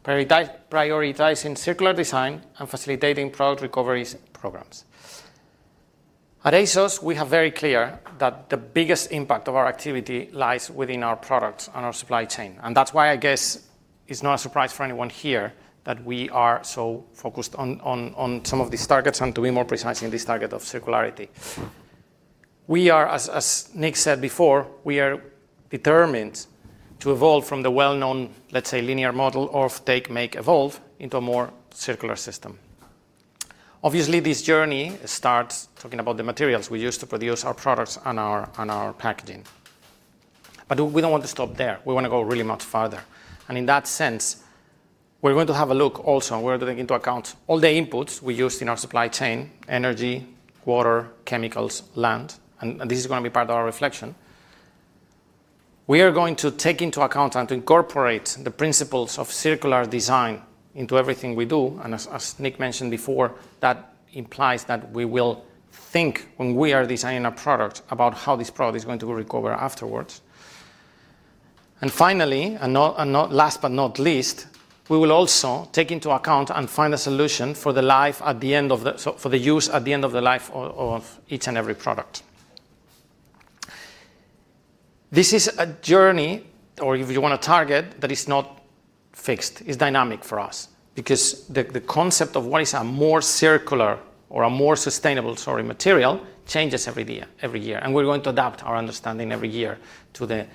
prioritizing circular design and facilitating product recovery programs. At ASOS, we are very clear that the biggest impact of our activity lies within our products and our supply chain. That's why, I guess, it's not a surprise for anyone here that we are so focused on some of these targets and to be more precise in this target of circularity. We are, as Nick said before, we are determined to evolve from the well-known, let's say, linear model of take, make, evolve into a more circular system. This journey starts talking about the materials we use to produce our products and our packaging. We don't want to stop there. We want to go really much farther. In that sense, we're going to have a look also, and we're taking into account all the inputs we used in our supply chain, energy, water, chemicals, land, and this is going to be part of our reflection. We are going to take into account and incorporate the principles of circular design into everything we do. As Nick mentioned before, that implies that we will think when we are designing a product about how this product is going to recover afterwards. Finally, last but not least, we will also take into account and find a solution for the use at the end of the life of each and every product. This is a journey, or if you want a target, that is not fixed. It's dynamic for us. The concept of what is a more circular or a more sustainable, sorry, material changes every year. We're going to adapt our understanding every year to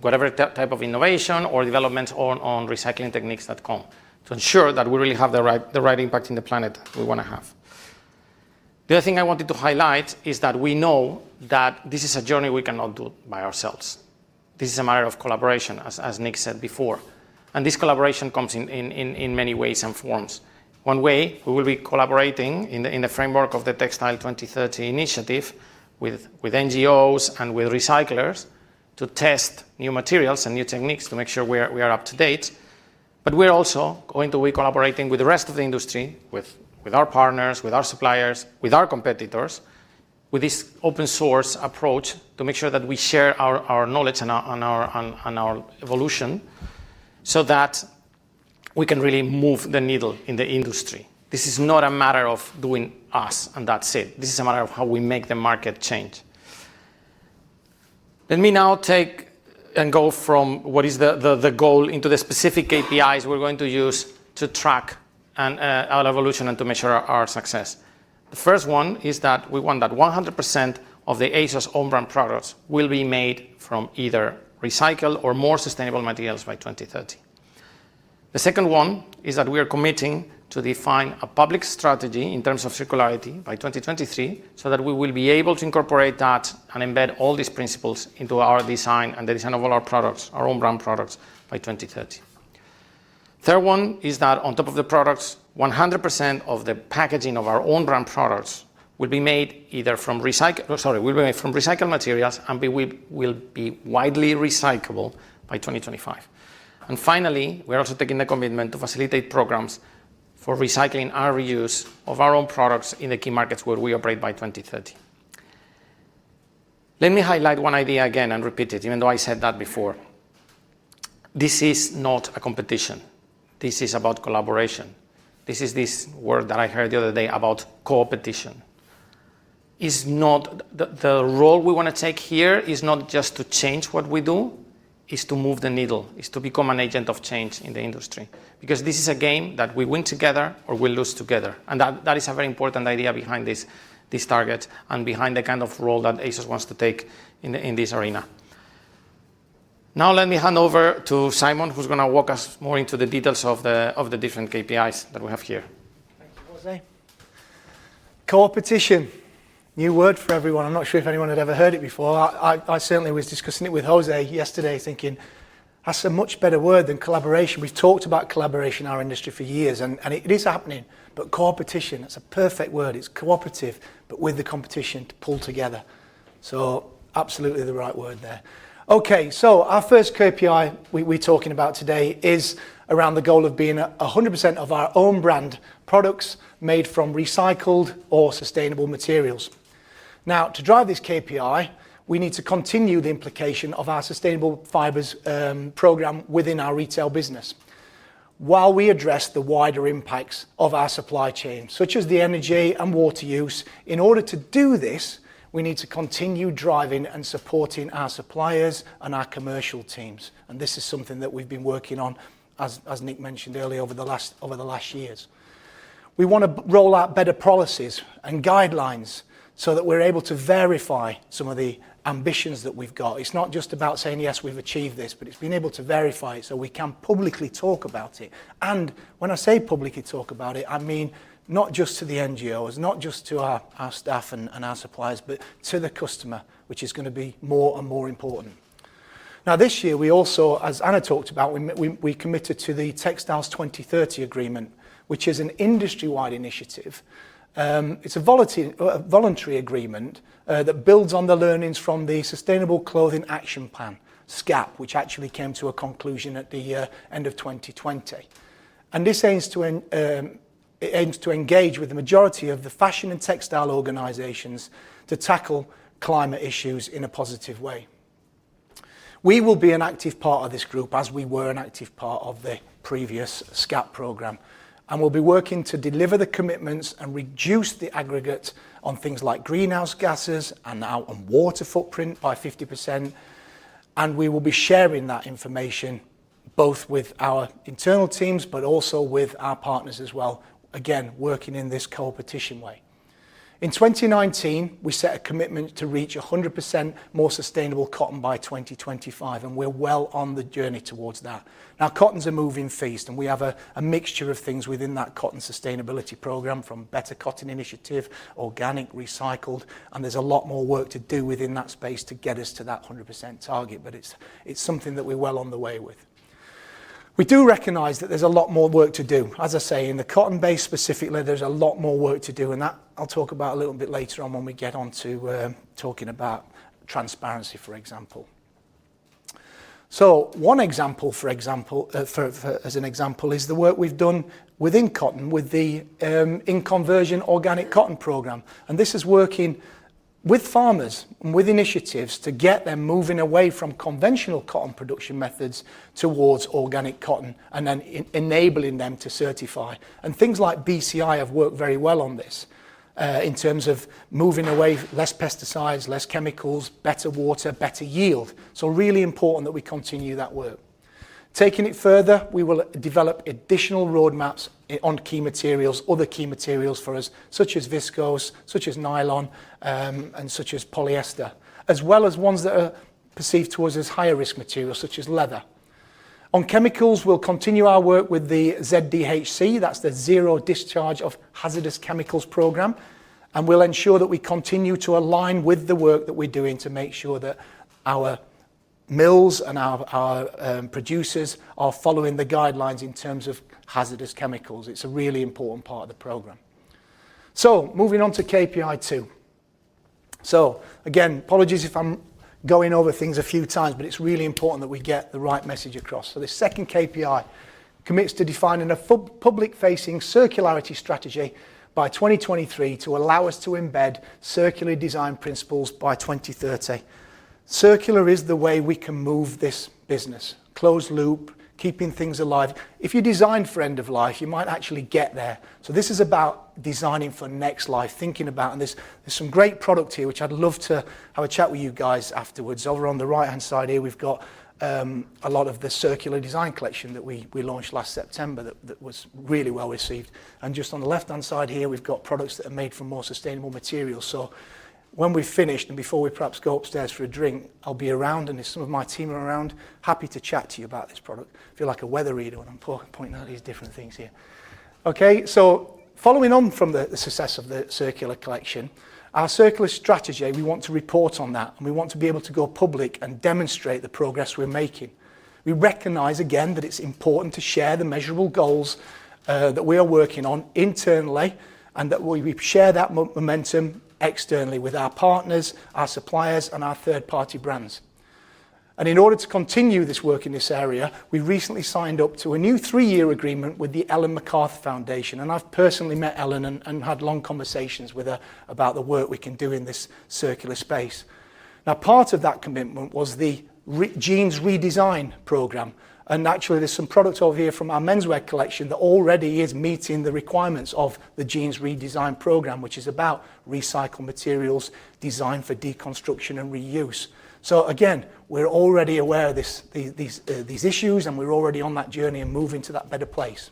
whatever type of innovation or development on recycling techniques that come. To ensure that we really have the right impact in the planet we want to have. The other thing I wanted to highlight is that we know that this is a journey we cannot do by ourselves. This is a matter of collaboration, as Nick said before. This collaboration comes in many ways and forms. One way we will be collaborating in the framework of the Textiles 2030 initiative with NGOs and with recyclers to test new materials and new techniques to make sure we are up to date. We're also going to be collaborating with the rest of the industry, with our partners, with our suppliers, with our competitors, with this open-source approach to make sure that we share our knowledge and our evolution so that we can really move the needle in the industry. This is not a matter of doing this, and that's it. This is a matter of how we make the market change. Let me now take and go from what is the goal into the specific KPIs we're going to use to track our evolution and to measure our success. The first one is that we want that 100% of the ASOS own brand products will be made from either recycled or more sustainable materials by 2030. The second one is that we are committing to define a public strategy in terms of circularity by 2023, so that we will be able to incorporate that and embed all these principles into our design and the design of all our products, our own brand products by 2030. Third one is that on top of the products, 100% of the packaging of our own brand products will be made from recycled materials and will be widely recyclable by 2025. Finally, we're also taking the commitment to facilitate programs for recycling and reuse of our own products in the key markets where we operate by 2030. Let me highlight one idea again and repeat it, even though I said that before. This is not a competition. This is about collaboration. This is this word that I heard the other day about coopetition. The role we want to take here is not just to change what we do, it's to move the needle. It's to become an agent of change in the industry. This is a game that we win together or we lose together. That is a very important idea behind this target and behind the kind of role that ASOS wants to take in this arena. Now let me hand over to Simon who's going to walk us more into the details of the different KPIs that we have here. Thank you, Jose. Coopetition. New word for everyone. I'm not sure if anyone had ever heard it before. I certainly was discussing it with Jose yesterday, thinking that's a much better word than collaboration. We've talked about collaboration in our industry for years, and it is happening. Coopetition, it's a perfect word. It's cooperative, but with the competition to pull together. Absolutely the right word there. Okay, our first KPI we're talking about today is around the goal of being 100% of our own brand products made from recycled or sustainable materials. Now, to drive this KPI, we need to continue the implication of our sustainable fibers program within our retail business while we address the wider impacts of our supply chain, such as the energy and water use. In order to do this, we need to continue driving and supporting our suppliers and our commercial teams. This is something that we've been working on, as Nick mentioned earlier, over the last years. We want to roll out better policies and guidelines so that we're able to verify some of the ambitions that we've got. It's not just about saying, "Yes, we've achieved this," but it's being able to verify it so we can publicly talk about it. When I say publicly talk about it, I mean, not just to the NGOs, not just to our staff and our suppliers, but to the customer, which is going to be more and more important. This year, we also, as Anna talked about, we committed to the Textiles 2030 agreement, which is an industry-wide initiative. It's a voluntary agreement that builds on the learnings from the Sustainable Clothing Action Plan, SCAP, which actually came to a conclusion at the end of 2020. This aims to engage with the majority of the fashion and textile organizations to tackle climate issues in a positive way. We will be an active part of this group as we were an active part of the previous SCAP program, and we'll be working to deliver the commitments and reduce the aggregate on things like greenhouse gases and our water footprint by 50%, and we will be sharing that information both with our internal teams but also with our partners as well. Again, working in this coopetition way. In 2019, we set a commitment to reach 100% more sustainable cotton by 2025, and we're well on the journey towards that. Cotton's a moving feast, and we have a mixture of things within that cotton sustainability program from Better Cotton Initiative, organic, recycled, and there's a lot more work to do within that space to get us to that 100% target. It's something that we're well on the way with. We do recognize that there's a lot more work to do. As I say, in the cotton space specifically, there's a lot more work to do, and that I'll talk about a little bit later on when we get on to talking about transparency, for example. One example, for example, is the work we've done within cotton with the In Conversion Organic Cotton Program. This is working with farmers and with initiatives to get them moving away from conventional cotton production methods towards organic cotton, and then enabling them to certify. Things like BCI have worked very well on this, in terms of moving away, less pesticides, less chemicals, better water, better yield. Really important that we continue that work. Taking it further, we will develop additional roadmaps on key materials, other key materials for us, such as viscose, such as nylon, and such as polyester, as well as ones that are perceived towards as higher risk materials, such as leather. On chemicals, we'll continue our work with the ZDHC, that's the Zero Discharge of Hazardous Chemicals program, and we'll ensure that we continue to align with the work that we're doing to make sure that our mills and our producers are following the guidelines in terms of hazardous chemicals. It's a really important part of the program. Moving on to KPI two. Again, apologies if I'm going over things a few times, but it's really important that we get the right message across. This second KPI commits to defining a public-facing circularity strategy by 2023 to allow us to embed circular design principles by 2030. Circular is the way we can move this business. Closed loop, keeping things alive. If you design for end of life, you might actually get there. This is about designing for next life, thinking about, and there's some great product here, which I'd love to have a chat with you guys afterwards. Over on the right-hand side here, we've got a lot of the circular design collection that we launched last September that was really well-received. Just on the left-hand side here, we've got products that are made from more sustainable materials. When we've finished and before we perhaps go upstairs for a drink, I'll be around, and there's some of my team are around, happy to chat to you about this product. I feel like a weather reader when I'm pointing out all these different things here. Following on from the success of the circular collection, our circular strategy, we want to report on that, and we want to be able to go public and demonstrate the progress we're making. We recognize again that it's important to share the measurable goals that we are working on internally, and that we share that momentum externally with our partners, our suppliers, and our third-party brands. In order to continue this work in this area, we recently signed up to a new three-year agreement with the Ellen MacArthur Foundation, and I've personally met Ellen and had long conversations with her about the work we can do in this circular space. Part of that commitment was the Jeans Redesign program, and actually there's some product over here from our menswear collection that already is meeting the requirements of the Jeans Redesign program, which is about recycled materials designed for deconstruction and reuse. Again, we're already aware of these issues, and we're already on that journey and moving to that better place.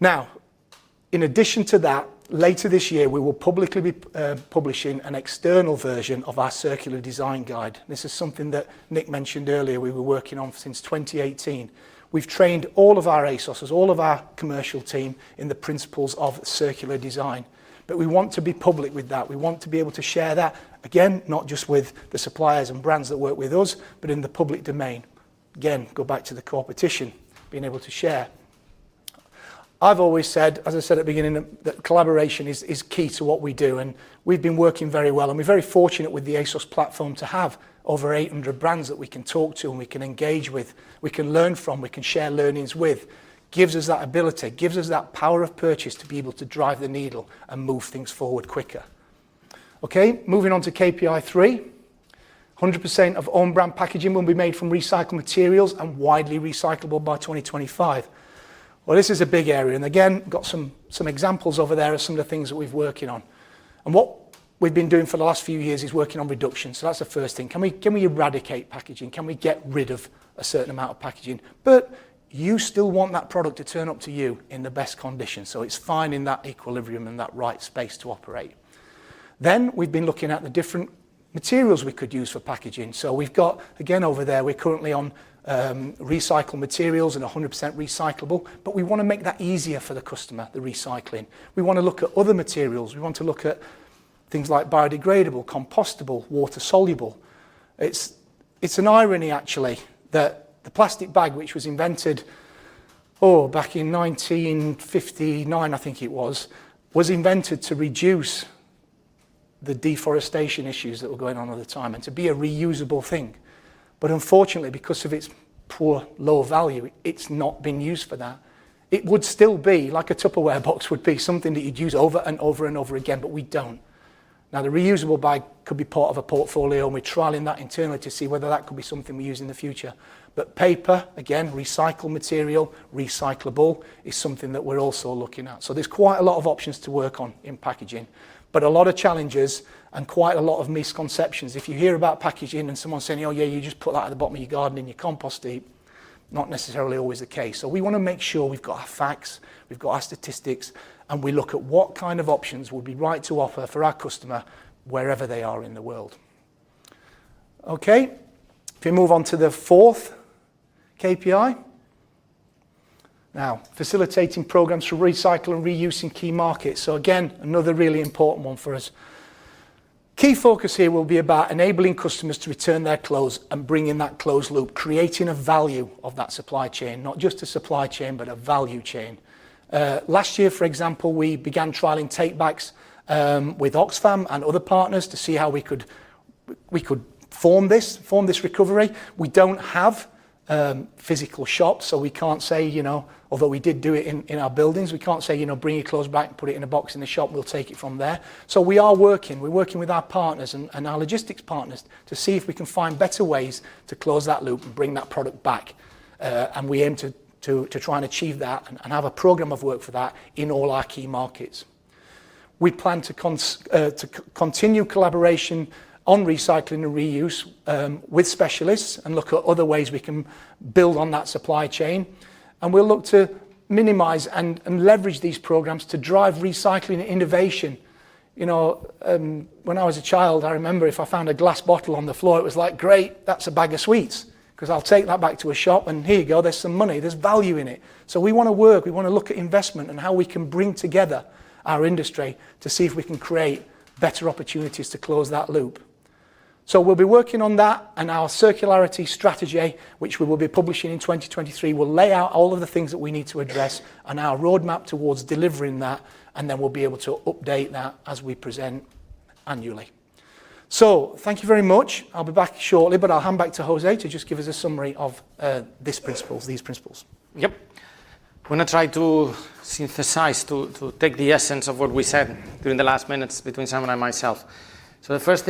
In addition to that, later this year, we will publicly be publishing an external version of our circular design guide. This is something that Nick mentioned earlier we were working on since 2018. We've trained all of our ASOSers, all of our commercial team, in the principles of circular design. We want to be public with that. We want to be able to share that, again, not just with the suppliers and brands that work with us, but in the public domain. Again, go back to the competition, being able to share. I've always said, as I said at the beginning, that collaboration is key to what we do, and we've been working very well, and we're very fortunate with the ASOS platform to have over 800 brands that we can talk to and we can engage with, we can learn from, we can share learnings with. Gives us that ability. Gives us that power of purchase to be able to drive the needle and move things forward quicker. Okay, moving on to KPI three. 100% of own brand packaging will be made from recycled materials and widely recyclable by 2025. Well, this is a big area, again, got some examples over there of some of the things that we've working on. What we've been doing for the last few years is working on reduction. That's the first thing. Can we eradicate packaging? Can we get rid of a certain amount of packaging? You still want that product to turn up to you in the best condition. It's finding that equilibrium and that right space to operate. We've been looking at the different materials we could use for packaging. We've got, again, over there, we're currently on recycled materials and 100% recyclable, but we want to make that easier for the customer, the recycling. We want to look at other materials. We want to look at things like biodegradable, compostable, water soluble. It's an irony actually that the plastic bag, which was invented, back in 1959, I think it was invented to reduce the deforestation issues that were going on at the time and to be a reusable thing. Unfortunately, because of its poor, low value, it's not been used for that. It would still be, like a Tupperware box would be, something that you'd use over and over and over again, but we don't. The reusable bag could be part of a portfolio, and we're trialing that internally to see whether that could be something we use in the future. Paper, again, recycled material, recyclable, is something that we're also looking at. There's quite a lot of options to work on in packaging. A lot of challenges and quite a lot of misconceptions. If you hear about packaging and someone saying, "Oh yeah, you just put that at the bottom of your garden in your compost heap," not necessarily always the case. We want to make sure we've got our facts, we've got our statistics, and we look at what kind of options would be right to offer for our customer, wherever they are in the world. Okay. If we move on to the fourth KPI. Facilitating programs for recycle and reuse in key markets. Again, another really important one for us. Key focus here will be about enabling customers to return their clothes and bring in that closed loop, creating a value of that supply chain. Not just a supply chain, but a value chain. Last year, for example, we began trialing take backs with Oxfam and other partners to see how we could form this recovery. We don't have physical shops, so we can't say, although we did do it in our buildings, we can't say, "Bring your clothes back, put it in a box in the shop, we'll take it from there." We are working with our partners and our logistics partners to see if we can find better ways to close that loop and bring that product back. We aim to try and achieve that and have a program of work for that in all our key markets. We plan to continue collaboration on recycling and reuse, with specialists and look at other ways we can build on that supply chain, and we'll look to minimize and leverage these programs to drive recycling and innovation. When I was a child, I remember if I found a glass bottle on the floor, it was like, "Great, that's a bag of sweets," because I'll take that back to a shop and here you go, there's some money. There's value in it. We want to work, we want to look at investment and how we can bring together our industry to see if we can create better opportunities to close that loop. We'll be working on that and our circularity strategy, which we will be publishing in 2023, will lay out all of the things that we need to address and our roadmap towards delivering that, and then we'll be able to update that as we present annually. Thank you very much. I'll be back shortly, but I'll hand back to Jose to just give us a summary of these principles. Yep. I'm going to try to synthesize, to take the essence of what we said during the last minutes between Simon and myself. The first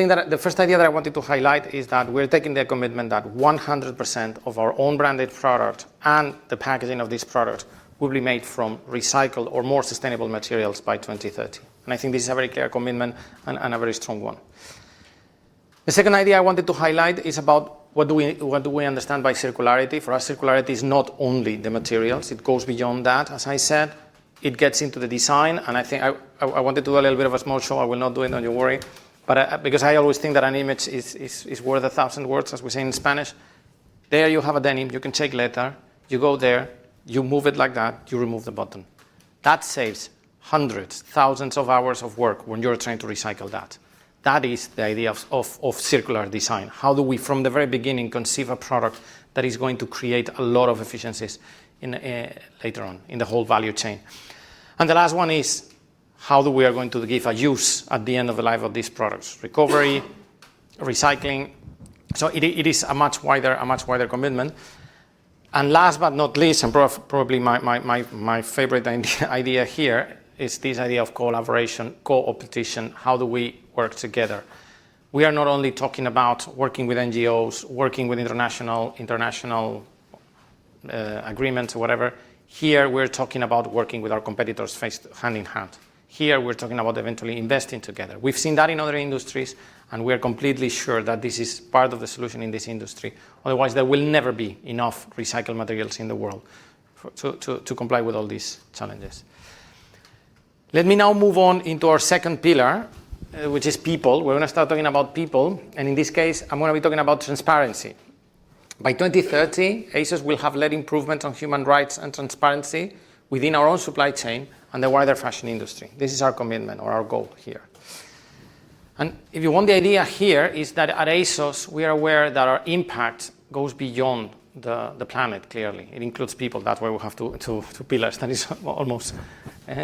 idea that I wanted to highlight is that we're taking the commitment that 100% of our own branded product and the packaging of this product will be made from recycled or more sustainable materials by 2030. I think this is a very clear commitment and a very strong one. The second idea I wanted to highlight is about what do we understand by circularity. For us, circularity is not only the materials, it goes beyond that, as I said. It gets into the design. I wanted to do a little bit of a small show. I will not do it, don't you worry, because I always think that an image is worth a 1,000 words, as we say in Spanish. There you have a denim, you can take later, you go there, you move it like that, you remove the button. That saves hundreds, thousands of hours of work when you're trying to recycle that. That is the idea of circular design. How do we, from the very beginning, conceive a product that is going to create a lot of efficiencies later on in the whole value chain? The last one is how we are going to give a use at the end of the life of these products. Recovery, recycling. It is a much wider commitment. Last but not least, and probably my favorite idea here, is this idea of collaboration, coopetition. How do we work together? We are not only talking about working with NGOs, working with international agreements or whatever. Here, we're talking about working with our competitors hand-in-hand. Here, we're talking about eventually investing together. We've seen that in other industries, and we're completely sure that this is part of the solution in this industry. Otherwise, there will never be enough recycled materials in the world to comply with all these challenges. Let me now move on into our second pillar, which is people. We're going to start talking about people, and in this case, I'm going to be talking about transparency. By 2030, ASOS will have led improvement on human rights and transparency within our own supply chain and the wider fashion industry. This is our commitment or our goal here. If you want, the idea here is that at ASOS, we are aware that our impact goes beyond the planet, clearly. It includes people. That's why we have two pillars. That is almost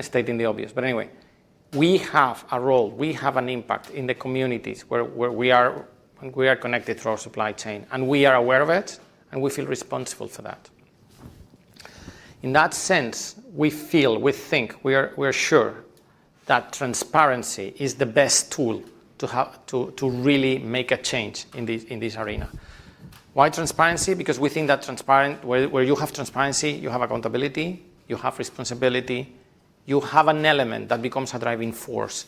stating the obvious. Anyway, we have a role, we have an impact in the communities where we are connected through our supply chain, and we are aware of it, and we feel responsible for that. In that sense, we feel, we think, we're sure that transparency is the best tool to really make a change in this arena. Why transparency? Because we think where you have transparency, you have accountability, you have responsibility, you have an element that becomes a driving force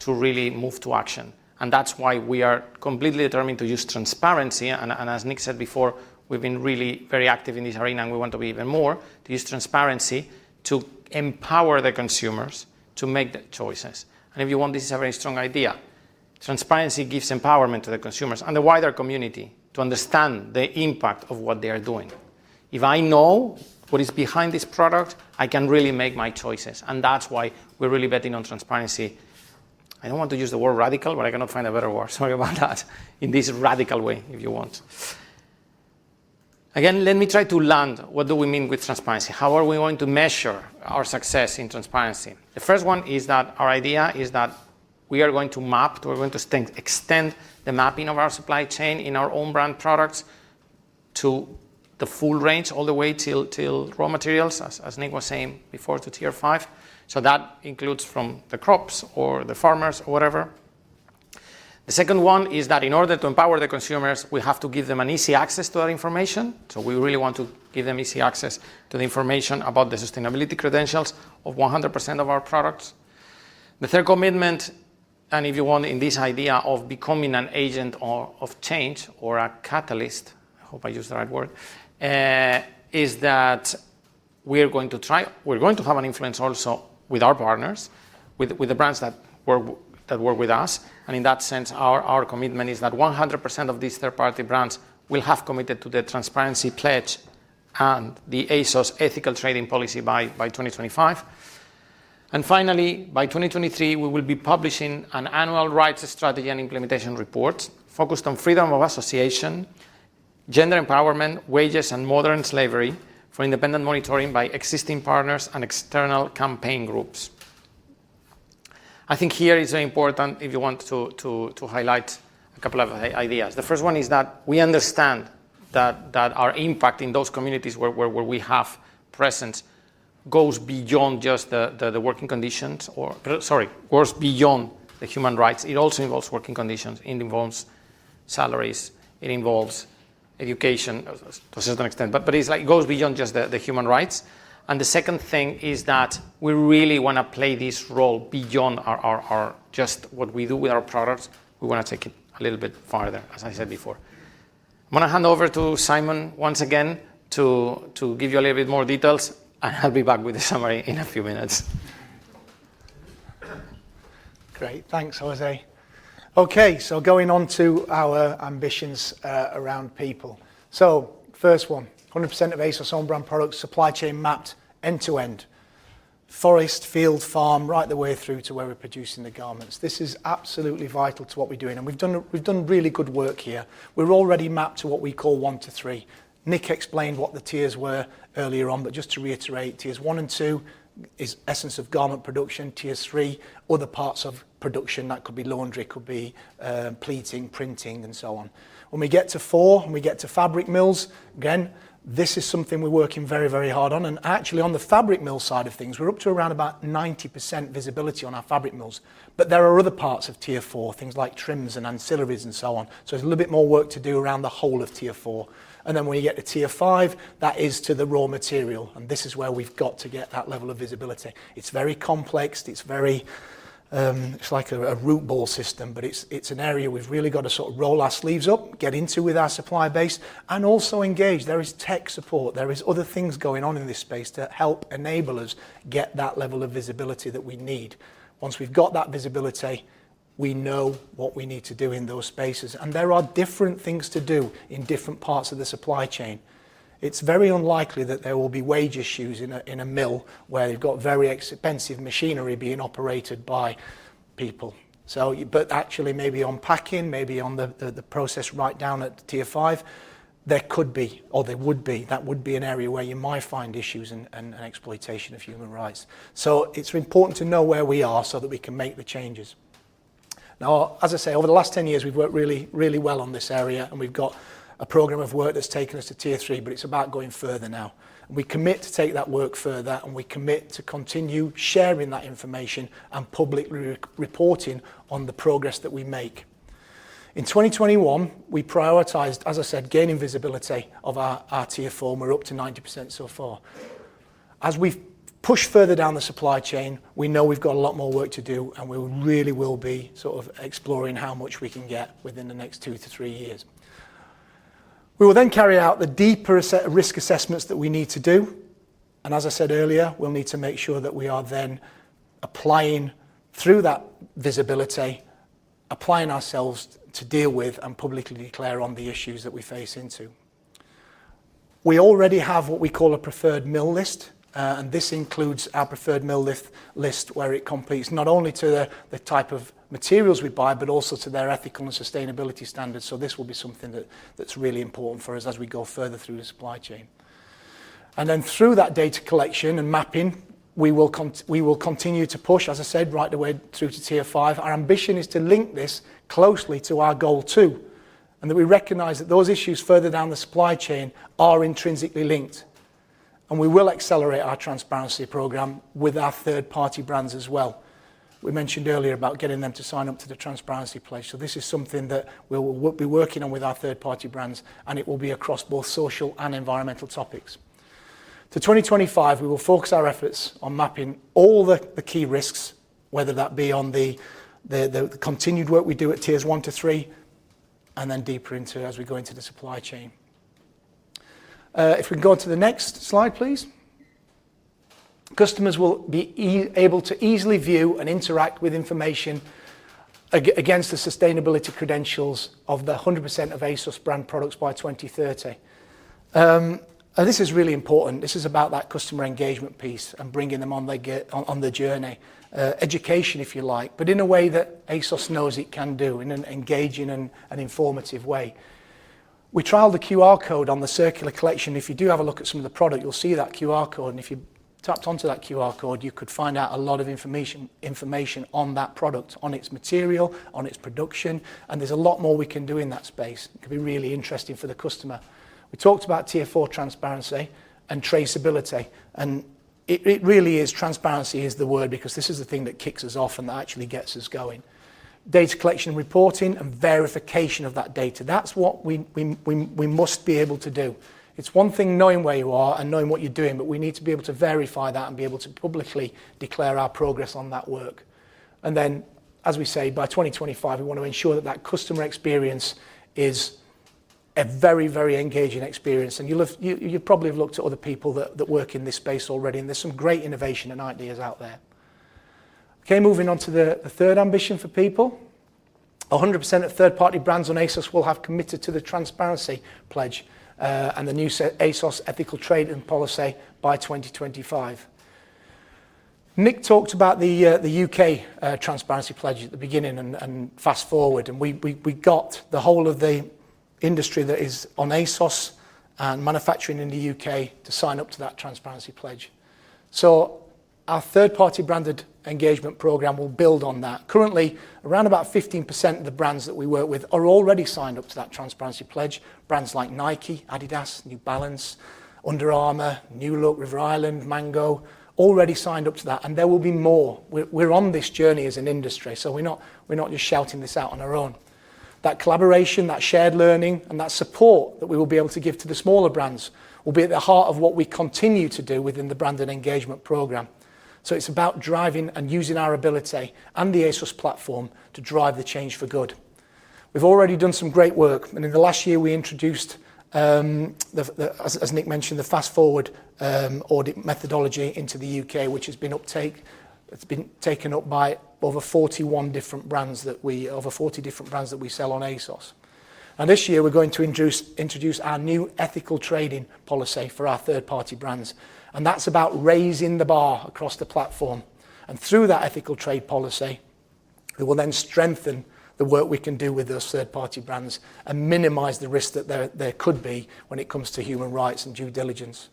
to really move to action. That's why we are completely determined to use transparency, and as Nick said before, we've been really very active in this arena, and we want to be even more to use transparency to empower the consumers to make the choices. If you want, this is a very strong idea. Transparency gives empowerment to the consumers and the wider community to understand the impact of what they are doing. If I know what is behind this product, I can really make my choices, and that's why we're really betting on transparency. I don't want to use the word radical. I cannot find a better word. Sorry about that. In this radical way, if you want. Let me try to land what do we mean with transparency. How are we going to measure our success in transparency? The first one is that our idea is that we are going to map, we're going to extend the mapping of our supply chain in our own brand products to the full range, all the way till raw materials, as Nick was saying before, to tier five. That includes from the crops or the farmers or whatever. The second one is that in order to empower the consumers, we have to give them an easy access to that information. We really want to give them easy access to the information about the sustainability credentials of 100% of our products. The third commitment, if you want, in this idea of becoming an agent of change or a catalyst, I hope I use the right word, is that we're going to have an influence also with our partners, with the brands that work with us. In that sense, our commitment is that 100% of these third-party brands will have committed to the Transparency Pledge and the ASOS Ethical Trade Policy by 2025. Finally, by 2023, we will be publishing an annual rights strategy and implementation report focused on freedom of association, gender empowerment, wages, and modern slavery for independent monitoring by existing partners and external campaign groups. I think here it's important if you want to highlight a couple of ideas. The first one is that we understand that our impact in those communities where we have presence goes beyond the human rights. It also involves working conditions. It involves salaries. It involves education to a certain extent. It goes beyond just the human rights. The second thing is that we really want to play this role beyond just what we do with our products. We want to take it a little bit farther, as I said before. I'm going to hand over to Simon once again to give you a little bit more details, and I'll be back with the summary in a few minutes. Great. Thanks, Jose. Okay, going on to our ambitions around people. First one, 100% of ASOS own brand products supply chain mapped end to end. Forest, field, farm, right the way through to where we're producing the garments. This is absolutely vital to what we're doing, and we've done really good work here. We're already mapped to what we call one to three. Nick explained what the tiers were earlier on, but just to reiterate, tiers one and two is essence of garment production. Tier three, other parts of production. That could be laundry, could be pleating, printing, and so on. When we get to four and we get to fabric mills, again, this is something we're working very hard on. Actually, on the fabric mill side of things, we're up to around about 90% visibility on our fabric mills. There are other parts of tier four, things like trims and ancillaries and so on. There's a little bit more work to do around the whole of tier four. When you get to tier five, that is to the raw material, and this is where we've got to get that level of visibility. It's very complex. It's like a root ball system, but it's an area we've really got to sort of roll our sleeves up, get into with our supplier base and also engage. There is tech support. There is other things going on in this space to help enable us get that level of visibility that we need. Once we've got that visibility, we know what we need to do in those spaces. There are different things to do in different parts of the supply chain. It's very unlikely that there will be wage issues in a mill where you've got very expensive machinery being operated by people. Actually maybe on packing, maybe on the process right down at tier five, there could be or there would be. That would be an area where you might find issues and exploitation of human rights. It's important to know where we are so that we can make the changes. Now, as I say, over the last 10 years, we've worked really well on this area, and we've got a program of work that's taken us to tier three, but it's about going further now. We commit to take that work further, and we commit to continue sharing that information and publicly reporting on the progress that we make. In 2021, we prioritized, as I said, gaining visibility of our tier four, and we're up to 90% so far. As we've pushed further down the supply chain, we know we've got a lot more work to do, and we really will be sort of exploring how much we can get within the next two to three years. We will then carry out the deeper risk assessments that we need to do, and as I said earlier, we'll need to make sure that we are then, through that visibility, applying ourselves to deal with and publicly declare on the issues that we face into. We already have what we call a preferred mill list, and this includes our preferred mill list where it complies not only to the type of materials we buy, but also to their ethical and sustainability standards. This will be something that's really important for us as we go further through the supply chain. Through that data collection and mapping, we will continue to push, as I said, right the way through to tier five. Our ambition is to link this closely to our goal two. We recognize that those issues further down the supply chain are intrinsically linked. We will accelerate our transparency program with our third-party brands as well. We mentioned earlier about getting them to sign up to the Transparency Pledge. This is something that we'll be working on with our third-party brands, and it will be across both social and environmental topics. To 2025, we will focus our efforts on mapping all the key risks, whether that be on the continued work we do at tiers one to three, then deeper into it as we go into the supply chain. If we can go on to the next slide, please. Customers will be able to easily view and interact with information against the sustainability credentials of the 100% of ASOS brand products by 2030. This is really important. This is about that customer engagement piece and bringing them on the journey. Education, if you like, but in a way that ASOS knows it can do in an engaging and informative way. We trialed the QR code on the circular collection. If you do have a look at some of the product, you'll see that QR code. If you tapped onto that QR code, you could find out a lot of information on that product, on its material, on its production. There's a lot more we can do in that space. It could be really interesting for the customer. We talked about tier four transparency and traceability. It really is transparency is the word because this is the thing that kicks us off. That actually gets us going. Data collection, reporting, and verification of that data. That's what we must be able to do. It's one thing knowing where you are and knowing what you're doing. We need to be able to verify that and be able to publicly declare our progress on that work. As we say, by 2025, we want to ensure that customer experience is a very engaging experience. You probably have looked at other people that work in this space already, and there's some great innovation and ideas out there. Moving on to the third ambition for people. 100% of third-party brands on ASOS will have committed to the Transparency Pledge, and the new ASOS Ethical Trade Policy by 2025. Nick talked about the U.K. Transparency Pledge at the beginning, and Fast Forward, and we got the whole of the industry that is on ASOS and manufacturing in the U.K. to sign up to that Transparency Pledge. Our third-party branded engagement program will build on that. Currently, around about 15% of the brands that we work with are already signed up to that Transparency Pledge. Brands like Nike, Adidas, New Balance, Under Armour, New Look, River Island, Mango, already signed up to that, and there will be more. We're on this journey as an industry, so we're not just shouting this out on our own. That collaboration, that shared learning, and that support that we will be able to give to the smaller brands will be at the heart of what we continue to do within the branded engagement program. It's about driving and using our ability and the ASOS platform to drive the change for good. We've already done some great work, in the last year, we introduced, as Nick mentioned, the Fast Forward audit methodology into the U.K., which has been taken up by over 40 different brands that we sell on ASOS. This year, we're going to introduce our new ASOS Ethical Trade Policy for our third-party brands. That's about raising the bar across the platform. Through that ASOS Ethical Trade policy, it will then strengthen the work we can do with those third-party brands and minimize the risk that there could be when it comes to human rights and due diligence.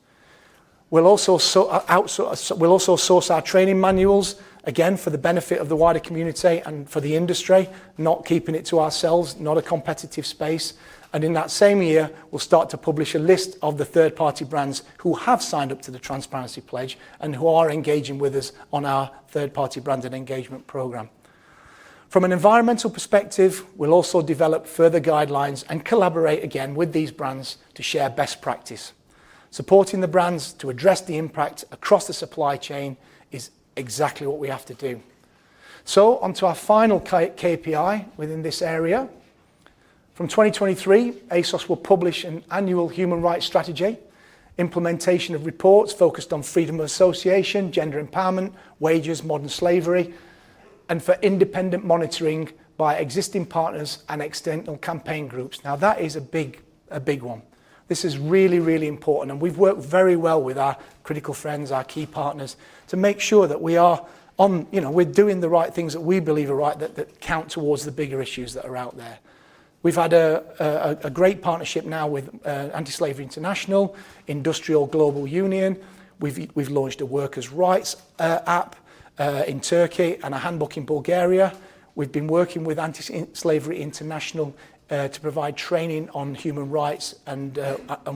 We'll also source our training manuals, again, for the benefit of the wider community and for the industry, not keeping it to ourselves, not a competitive space. In that same year, we'll start to publish a list of the third-party brands who have signed up to the Transparency Pledge and who are engaging with us on our third-party branded engagement program. From an environmental perspective, we'll also develop further guidelines and collaborate again with these brands to share best practice. Supporting the brands to address the impact across the supply chain is exactly what we have to do. Onto our final KPI within this area. From 2023, ASOS will publish an annual human rights strategy, implementation of reports focused on freedom of association, gender empowerment, wages, modern slavery, and for independent monitoring by existing partners and external campaign groups. That is a big one. This is really, really important, and we've worked very well with our critical friends, our key partners, to make sure that we're doing the right things that we believe are right, that count towards the bigger issues that are out there. We've had a great partnership now with Anti-Slavery International, IndustriALL Global Union. We've launched a workers' rights app in Turkey and a handbook in Bulgaria. We've been working with Anti-Slavery International to provide training on human rights and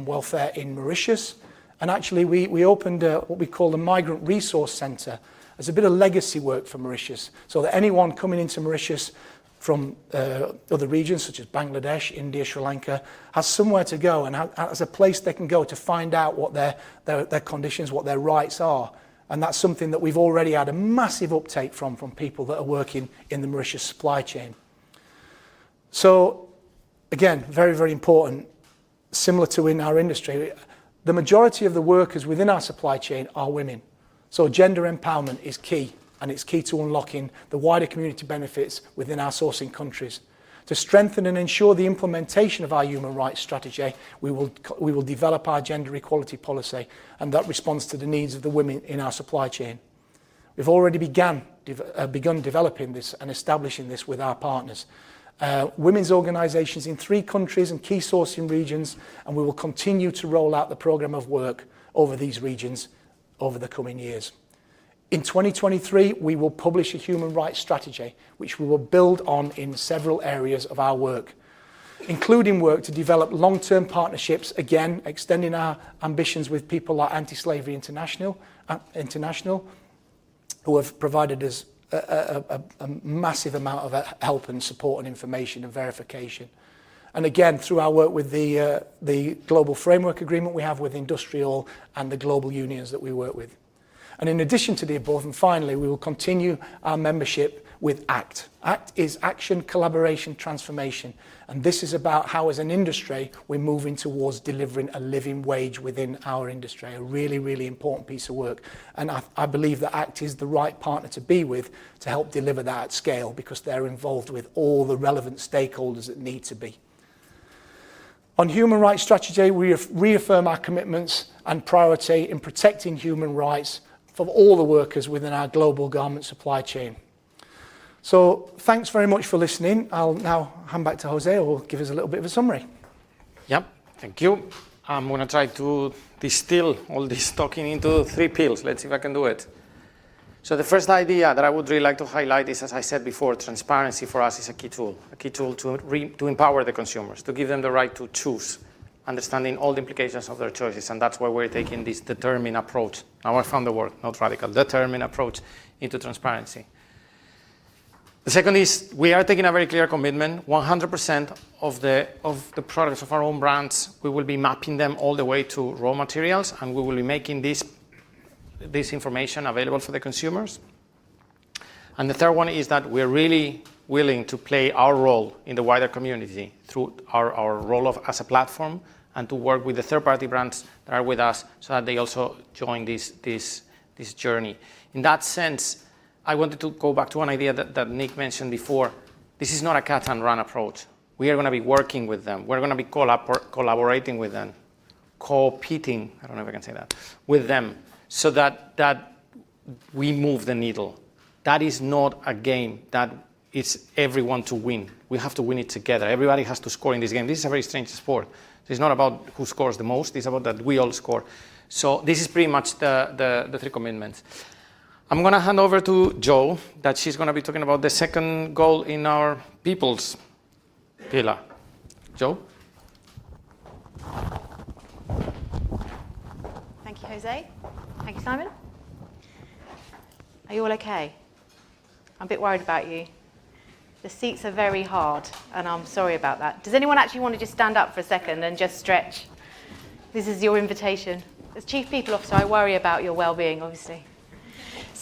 welfare in Mauritius. Actually, we opened a, what we call a migrant resource center as a bit of legacy work for Mauritius, so that anyone coming into Mauritius from other regions such as Bangladesh, India, Sri Lanka, has somewhere to go and has a place they can go to find out what their conditions, what their rights are. That's something that we've already had a massive uptake from people that are working in the Mauritius supply chain. Again, very important. Similar to in our industry, the majority of the workers within our supply chain are women. Gender empowerment is key, and it's key to unlocking the wider community benefits within our sourcing countries. To strengthen and ensure the implementation of our human rights strategy, we will develop our gender equality policy, and that responds to the needs of the women in our supply chain. We've already begun developing this and establishing this with our partners. Women's organizations in three countries and key sourcing regions, and we will continue to roll out the program of work over these regions over the coming years. In 2023, we will publish a human rights strategy, which we will build on in several areas of our work, including work to develop long-term partnerships, again, extending our ambitions with people like Anti-Slavery International, who have provided us a massive amount of help and support and information and verification. Again, through our work with the global framework agreement we have with IndustriALL and the global unions that we work with. In addition to the above, and finally, we will continue our membership with ACT. ACT is Action, Collaboration, Transformation. This is about how, as an industry, we're moving towards delivering a living wage within our industry. A really, really important piece of work. I believe that ACT is the right partner to be with to help deliver that at scale because they're involved with all the relevant stakeholders that need to be. On human rights strategy, we reaffirm our commitments and priority in protecting human rights for all the workers within our global garment supply chain. Thanks very much for listening. I'll now hand back to Jose, who will give us a little bit of a summary. Yep. Thank you. I'm going to try to distill all this talking into three pillars. Let's see if I can do it. The first idea that I would really like to highlight is, as I said before, transparency for us is a key tool. A key tool to empower the consumers, to give them the right to choose, understanding all the implications of their choices, and that's why we're taking this determined approach. Our foundational work, not radical. Determined approach into transparency. The second is we are taking a very clear commitment, 100% of the products of our own brands, we will be mapping them all the way to raw materials, and we will be making this information available for the consumers. The third one is that we're really willing to play our role in the wider community through our role as a platform and to work with the third-party brands that are with us so that they also join this journey. In that sense, I wanted to go back to one idea that Nick mentioned before. This is not a cut-and-run approach. We are going to be working with them. We're going to be collaborating with them. Co-peting, I don't know if I can say that, with them so that we move the needle. That is not a game. That is everyone to win. We have to win it together. Everybody has to score in this game. This is a very strange sport. This is not about who scores the most, it's about that we all score. This is pretty much the three commitments. I'm going to hand over to Jo, that she's going to be talking about the second goal in our people's pillar. Jo? Thank you, Jose. Thank you, Simon. Are you all okay? I'm a bit worried about you. The seats are very hard. I'm sorry about that. Does anyone actually want to just stand up for a second and just stretch? This is your invitation. As Chief People Officer, I worry about your wellbeing, obviously.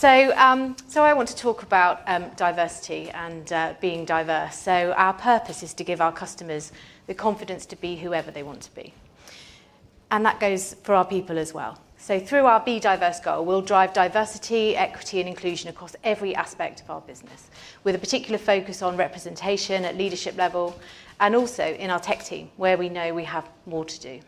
I want to talk about diversity and being diverse. Our purpose is to give our customers the confidence to be whoever they want to be. That goes for our people as well. Through our Be Diverse goal, we'll drive diversity, equity, and inclusion across every aspect of our business, with a particular focus on representation at leadership level, also in our tech team, where we know we have more to do.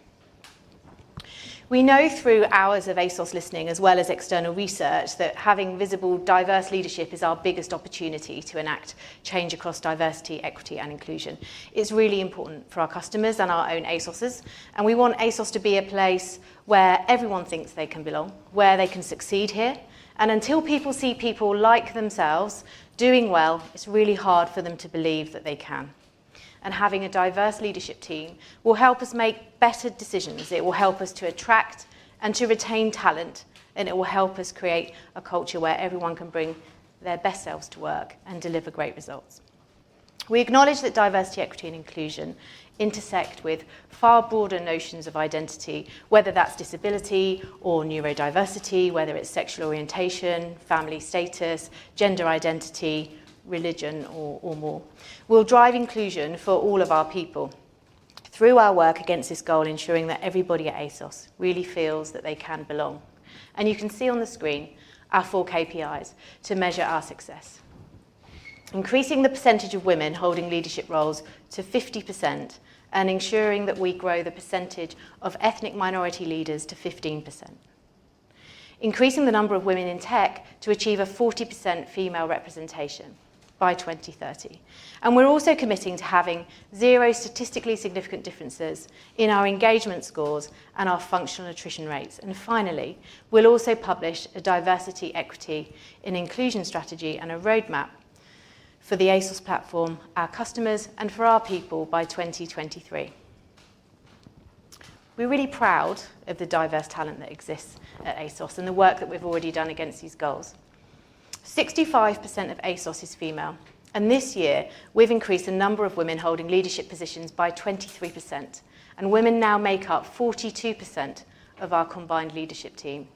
We know through hours of ASOS listening, as well as external research, that having visible diverse leadership is our biggest opportunity to enact change across diversity, equity, and inclusion. It's really important for our customers and our own ASOSers, and we want ASOS to be a place where everyone thinks they can belong, where they can succeed here, and until people see people like themselves doing well, it's really hard for them to believe that they can. Having a diverse leadership team will help us make better decisions, it will help us to attract and to retain talent, and it will help us create a culture where everyone can bring their best selves to work and deliver great results. We acknowledge that diversity, equity, and inclusion intersect with far broader notions of identity, whether that's disability or neurodiversity, whether it's sexual orientation, family status, gender identity, religion, or more. We'll drive inclusion for all of our people through our work against this goal, ensuring that everybody at ASOS really feels that they can belong. You can see on the screen our four KPIs to measure our success. Increasing the percentage of women holding leadership roles to 50% and ensuring that we grow the percentage of ethnic minority leaders to 15%. Increasing the number of Women in Tech to achieve a 40% female representation by 2030. We're also committing to having zero statistically significant differences in our engagement scores and our functional attrition rates. Finally, we'll also publish a diversity, equity, and inclusion strategy, and a roadmap for the ASOS platform, our customers, and for our people by 2023. We're really proud of the diverse talent that exists at ASOS and the work that we've already done against these goals. 65% of ASOS is female, and this year we've increased the number of women holding leadership positions by 23%, and women now make up 42% of our combined leadership team.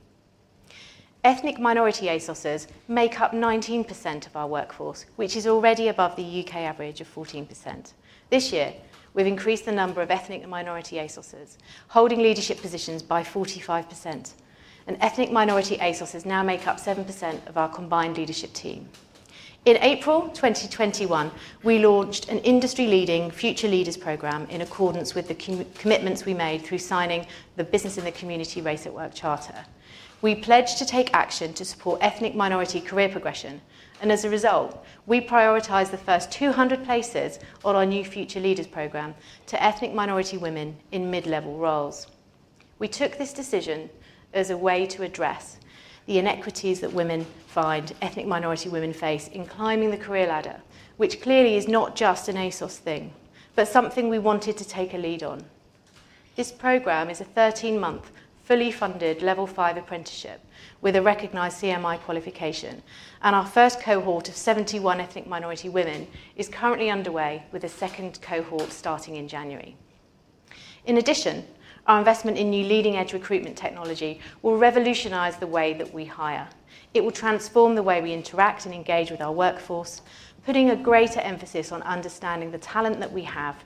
Ethnic minority ASOSers make up 19% of our workforce, which is already above the U.K. average of 14%. This year, we've increased the number of ethnic and minority ASOSers holding leadership positions by 45%. Ethnic minority ASOSers now make up 7% of our combined leadership team. In April 2021, we launched an industry leading Future Leaders program in accordance with the commitments we made through signing the Business in the Community Race at Work Charter. We pledged to take action to support ethnic minority career progression, and as a result, we prioritized the first 200 places on our new Future Leaders program to ethnic minority women in mid-level roles. We took this decision as a way to address the inequities that ethnic minority women face in climbing the career ladder, which clearly is not just an ASOS thing, but something we wanted to take a lead on. This program is a 13-month, fully funded Level 5 apprenticeship with a recognized CMI qualification. Our first cohort of 71 ethnic minority women is currently underway, with a second cohort starting in January. In addition, our investment in new leading-edge recruitment technology will revolutionize the way that we hire. It will transform the way we interact and engage with our workforce, putting a greater emphasis on understanding the talent that we have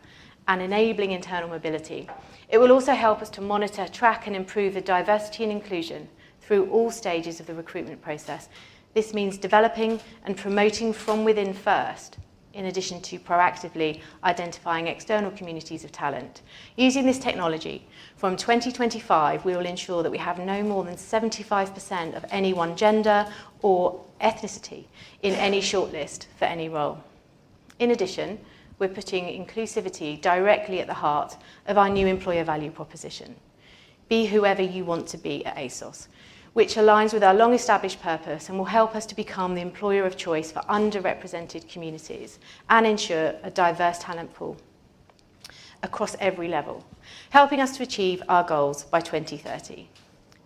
and enabling internal mobility. It will also help us to monitor, track, and improve the diversity and inclusion through all stages of the recruitment process. This means developing and promoting from within first, in addition to proactively identifying external communities of talent. Using this technology, from 2025, we will ensure that we have no more than 75% of any one gender or ethnicity in any shortlist for any role. In addition, we're putting inclusivity directly at the heart of our new employer value proposition, "Be whoever you want to be at ASOS," which aligns with our long-established purpose and will help us to become the employer of choice for underrepresented communities and ensure a diverse talent pool across every level, helping us to achieve our goals by 2030.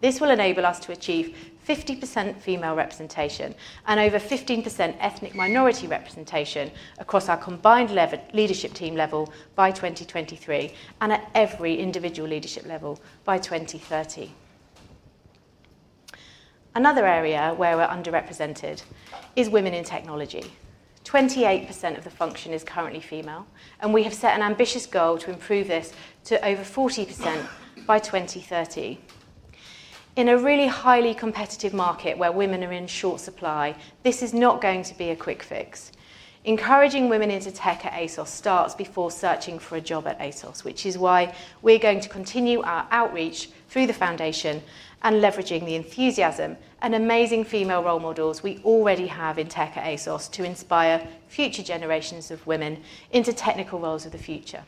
This will enable us to achieve 50% female representation and over 15% ethnic minority representation across our combined leadership team level by 2023, and at every individual leadership level by 2030. Another area where we're underrepresented is Women in Technology. 28% of the function is currently female, and we have set an ambitious goal to improve this to over 40% by 2030. In a really highly competitive market where women are in short supply, this is not going to be a quick fix. Encouraging women into tech at ASOS starts before searching for a job at ASOS, which is why we're going to continue our outreach through the Foundation and leveraging the enthusiasm and amazing female role models we already have in tech at ASOS to inspire future generations of women into technical roles of the future.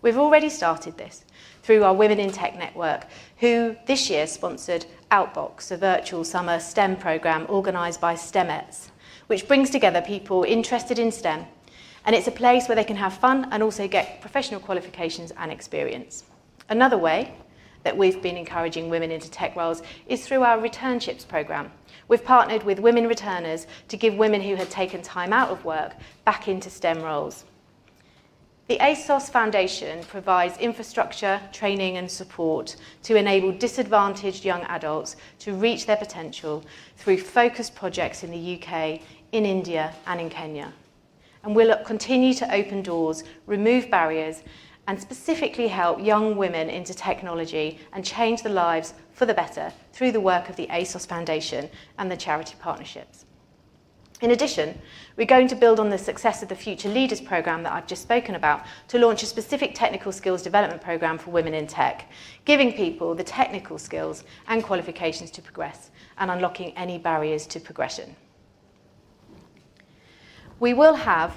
We've already started this through our Women in Tech network, who this year sponsored Outbox, a virtual summer STEM program organized by Stemettes, which brings together people interested in STEM, and it's a place where they can have fun and also get professional qualifications and experience. Another way that we've been encouraging Women in Tech roles is through our Returnships program. We've partnered with Women Returners to give women who had taken time out of work back into STEM roles. The ASOS Foundation provides infrastructure, training, and support to enable disadvantaged young adults to reach their potential through focused projects in the U.K., in India, and in Kenya. We'll continue to open doors, remove barriers, and specifically help young women into technology and change their lives for the better through the work of the ASOS Foundation and the charity partnerships. In addition, we're going to build on the success of the Future Leaders program that I've just spoken about to launch a specific technical skills development program for Women in Tech, giving people the technical skills and qualifications to progress and unlocking any barriers to progression. We will have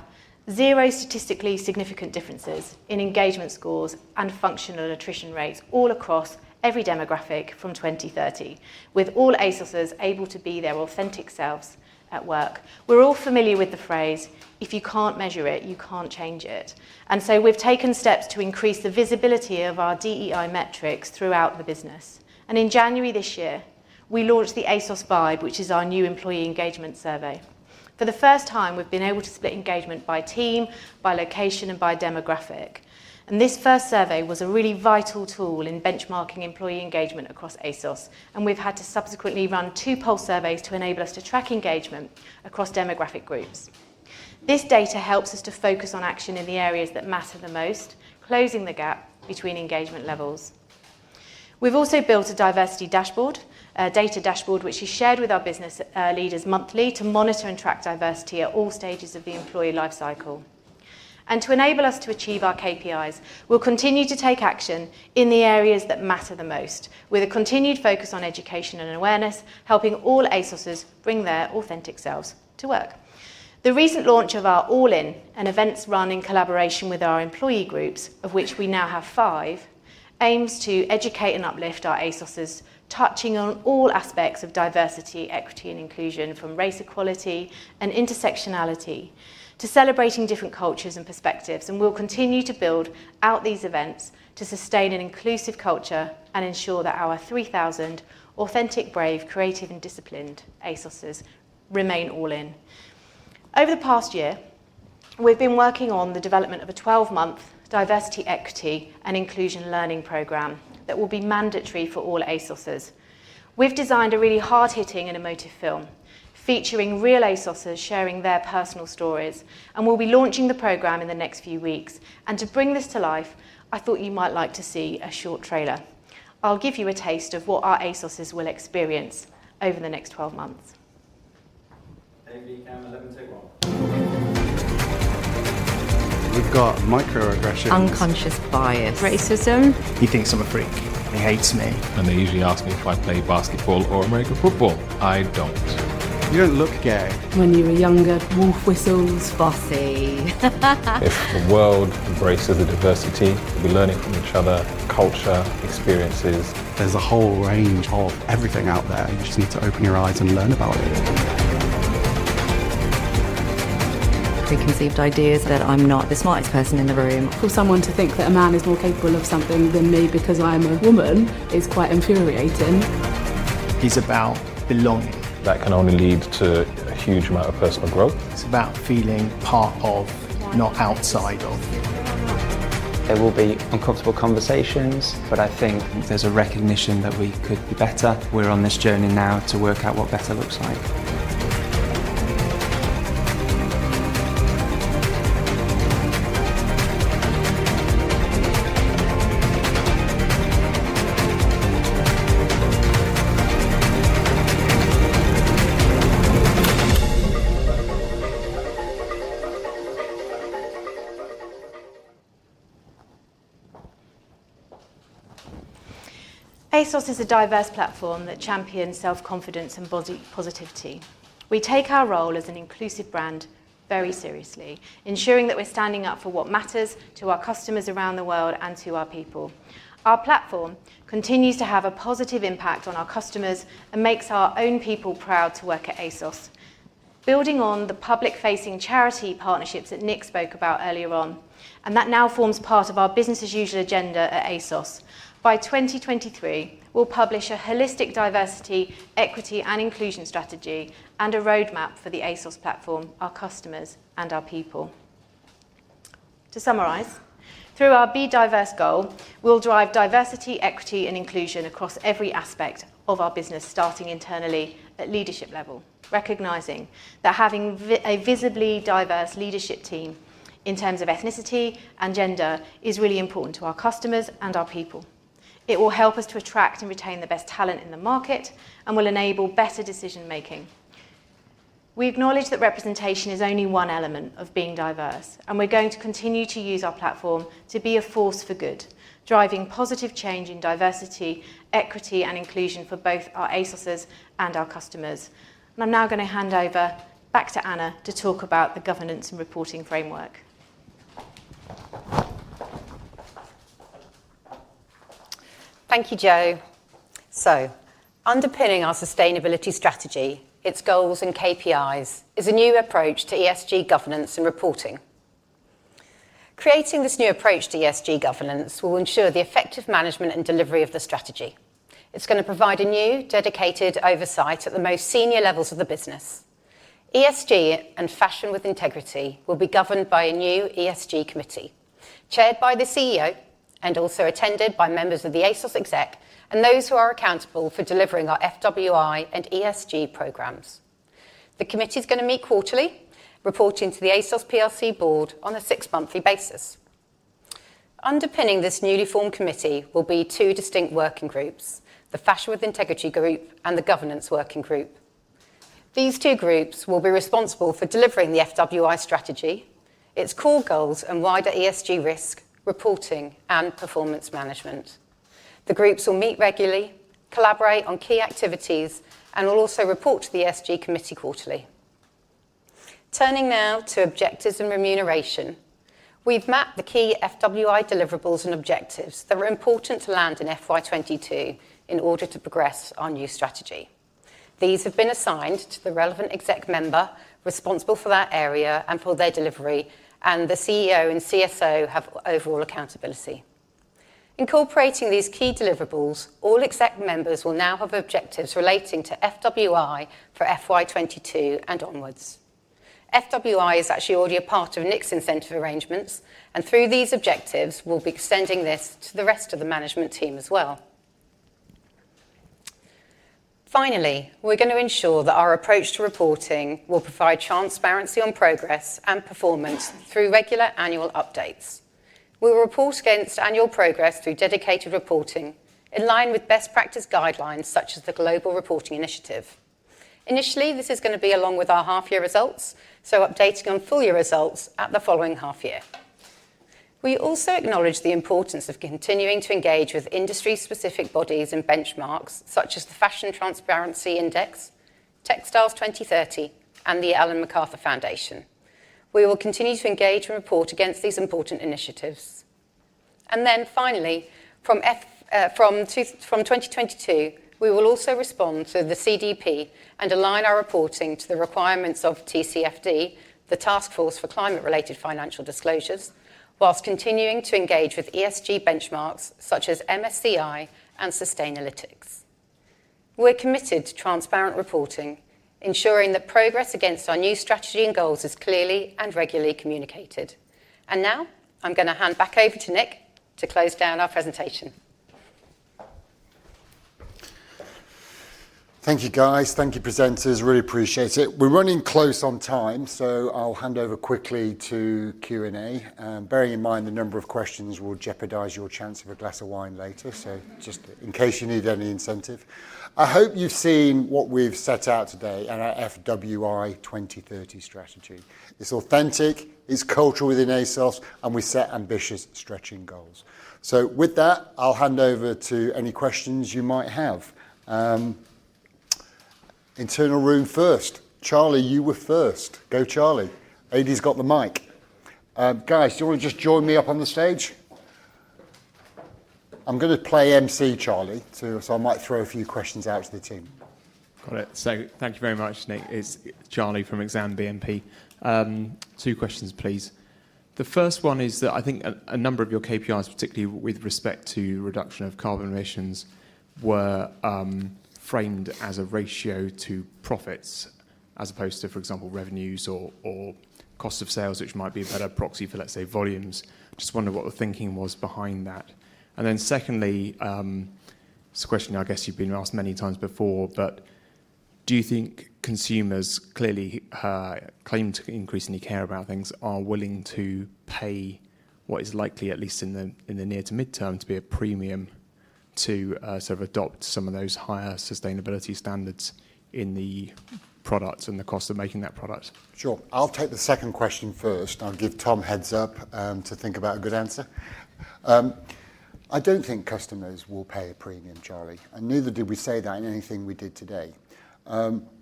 zero statistically significant differences in engagement scores and functional attrition rates all across every demographic from 2030, with all ASOSers able to be their authentic selves at work. We're all familiar with the phrase, "If you can't measure it, you can't change it." We've taken steps to increase the visibility of our DEI metrics throughout the business. In January this year, we launched the ASOS Vibe, which is our new employee engagement survey. For the first time, we've been able to split engagement by team, by location, and by demographic. This first survey was a really vital tool in benchmarking employee engagement across ASOS, and we've had to subsequently run two pulse surveys to enable us to track engagement across demographic groups. This data helps us to focus on action in the areas that matter the most, closing the gap between engagement levels. We've also built a diversity dashboard, a data dashboard which is shared with our business leaders monthly to monitor and track diversity at all stages of the employee lifecycle. To enable us to achieve our KPIs, we'll continue to take action in the areas that matter the most with a continued focus on education and awareness, helping all ASOSers bring their authentic selves to work. The recent launch of our All In, an events run in collaboration with our employee groups, of which we now have five, aims to educate and uplift our ASOSers, touching on all aspects of diversity, equity, and inclusion, from race equality and intersectionality to celebrating different cultures and perspectives. We'll continue to build out these events to sustain an inclusive culture and ensure that our 3,000 authentic, brave, creative, and disciplined ASOSers remain All In. Over the past year, we've been working on the development of a 12-month diversity, equity, and inclusion learning program that will be mandatory for all ASOSers. We've designed a really hard-hitting and emotive film featuring real ASOSers sharing their personal stories, we'll be launching the program in the next few weeks. To bring this to life, I thought you might like to see a short trailer. I'll give you a taste of what our ASOSers will experience over the next 12 months. A, B, cam 11, take one. We've got microaggressions. Unconscious bias. Racism. He thinks I'm a freak. He hates me. They usually ask me if I play basketball or American football. I don't. You don't look gay. When you were younger, wolf whistles. "Spotty. If the world embraces the diversity, we'll be learning from each other, culture, experiences. There's a whole range of everything out there. You just need to open your eyes and learn about it. Preconceived ideas that I'm not the smartest person in the room. For someone to think that a man is more capable of something than me because I am a woman is quite infuriating. It's about belonging. That can only lead to a huge amount of personal growth. It's about feeling part of, not outside of. One, two, three. There will be uncomfortable conversations, but I think there's a recognition that we could be better. We're on this journey now to work out what better looks like. ASOS is a diverse platform that champions self-confidence and body positivity. We take our role as an inclusive brand very seriously, ensuring that we're standing up for what matters to our customers around the world and to our people. Our platform continues to have a positive impact on our customers and makes our own people proud to work at ASOS. Building on the public-facing charity partnerships that Nick spoke about earlier on, and that now forms part of our business as usual agenda at ASOS. By 2023, we'll publish a holistic diversity, equity, and inclusion strategy and a roadmap for the ASOS platform, our customers, and our people. To summarize, through our Be Diverse goal, we'll drive diversity, equity, and inclusion across every aspect of our business, starting internally at leadership level, recognizing that having a visibly diverse leadership team in terms of ethnicity and gender is really important to our customers and our people. It will help us to attract and retain the best talent in the market and will enable better decision-making. We acknowledge that representation is only one element of being diverse, and we're going to continue to use our platform to be a force for good, driving positive change in diversity, equity, and inclusion for both our ASOSers and our customers. I'm now going to hand over back to Anna to talk about the governance and reporting framework. Thank you, Jo. Underpinning our sustainability strategy, its goals and KPIs, is a new approach to ESG governance and reporting. Creating this new approach to ESG governance will ensure the effective management and delivery of the strategy. It's going to provide a new dedicated oversight at the most senior levels of the business. ESG and Fashion with Integrity will be governed by a new ESG committee, chaired by the CEO and also attended by members of the ASOS exec and those who are accountable for delivering our FWI and ESG programs. The committee's going to meet quarterly, reporting to the ASOS Plc board on a six-monthly basis. Underpinning this newly formed committee will be two distinct working groups, the Fashion with Integrity group and the governance working group. These two groups will be responsible for delivering the FWI strategy, its core goals, and wider ESG risk reporting and performance management. The groups will meet regularly, collaborate on key activities, and will also report to the ESG Committee quarterly. Turning now to objectives and remuneration. We've mapped the key FWI deliverables and objectives that are important to land in FY 2022 in order to progress our new strategy. These have been assigned to the relevant exec member responsible for that area and for their delivery, and the CEO and CSO have overall accountability. Incorporating these key deliverables, all exec members will now have objectives relating to FWI for FY 2022 and onwards. FWI is actually already a part of Nick's incentive arrangements, and through these objectives, we'll be extending this to the rest of the management team as well. Finally, we're going to ensure that our approach to reporting will provide transparency on progress and performance through regular annual updates. We will report against annual progress through dedicated reporting in line with best practice guidelines such as the Global Reporting Initiative. Initially, this is going to be along with our half-year results, so updating on full-year results at the following half year. We also acknowledge the importance of continuing to engage with industry-specific bodies and benchmarks such as the Fashion Transparency Index, Textiles 2030, and the Ellen MacArthur Foundation. We will continue to engage and report against these important initiatives. Finally, from 2022, we will also respond to the CDP and align our reporting to the requirements of TCFD, the Task Force for Climate-related Financial Disclosures, whilst continuing to engage with ESG benchmarks such as MSCI and Sustainalytics. We're committed to transparent reporting, ensuring that progress against our new strategy and goals is clearly and regularly communicated. Now I'm going to hand back over to Nick to close down our presentation. Thank you, guys. Thank you, presenters. Really appreciate it. We're running close on time. I'll hand over quickly to Q&A. Bearing in mind the number of questions will jeopardize your chance of a glass of wine later, just in case you need any incentive. I hope you've seen what we've set out today in our FWI 2030 strategy. It's authentic, it's cultural within ASOS. We set ambitious, stretching goals. With that, I'll hand over to any questions you might have. Internal room first. Charlie, you were first. Go, Charlie. Ady's got the mic. Guys, do you want to just join me up on the stage? I'm going to play emcee, Charlie. I might throw a few questions out to the team. Thank you very much, Nick. It's Charlie from Exane BNP. Two questions, please. The first one is that I think a number of your KPIs, particularly with respect to reduction of carbon emissions, were framed as a ratio to profits as opposed to, for example, revenues or cost of sales, which might be a better proxy for, let's say, volumes. Just wonder what the thinking was behind that. Secondly, it's a question I guess you've been asked many times before, but do you think consumers clearly claim to increasingly care about things, are willing to pay what is likely, at least in the near to midterm, to be a premium to sort of adopt some of those higher sustainability standards in the products and the cost of making that product? Sure. I'll take the second question first. I'll give Tom heads up to think about a good answer. I don't think customers will pay a premium, Charlie, and neither did we say that in anything we did today.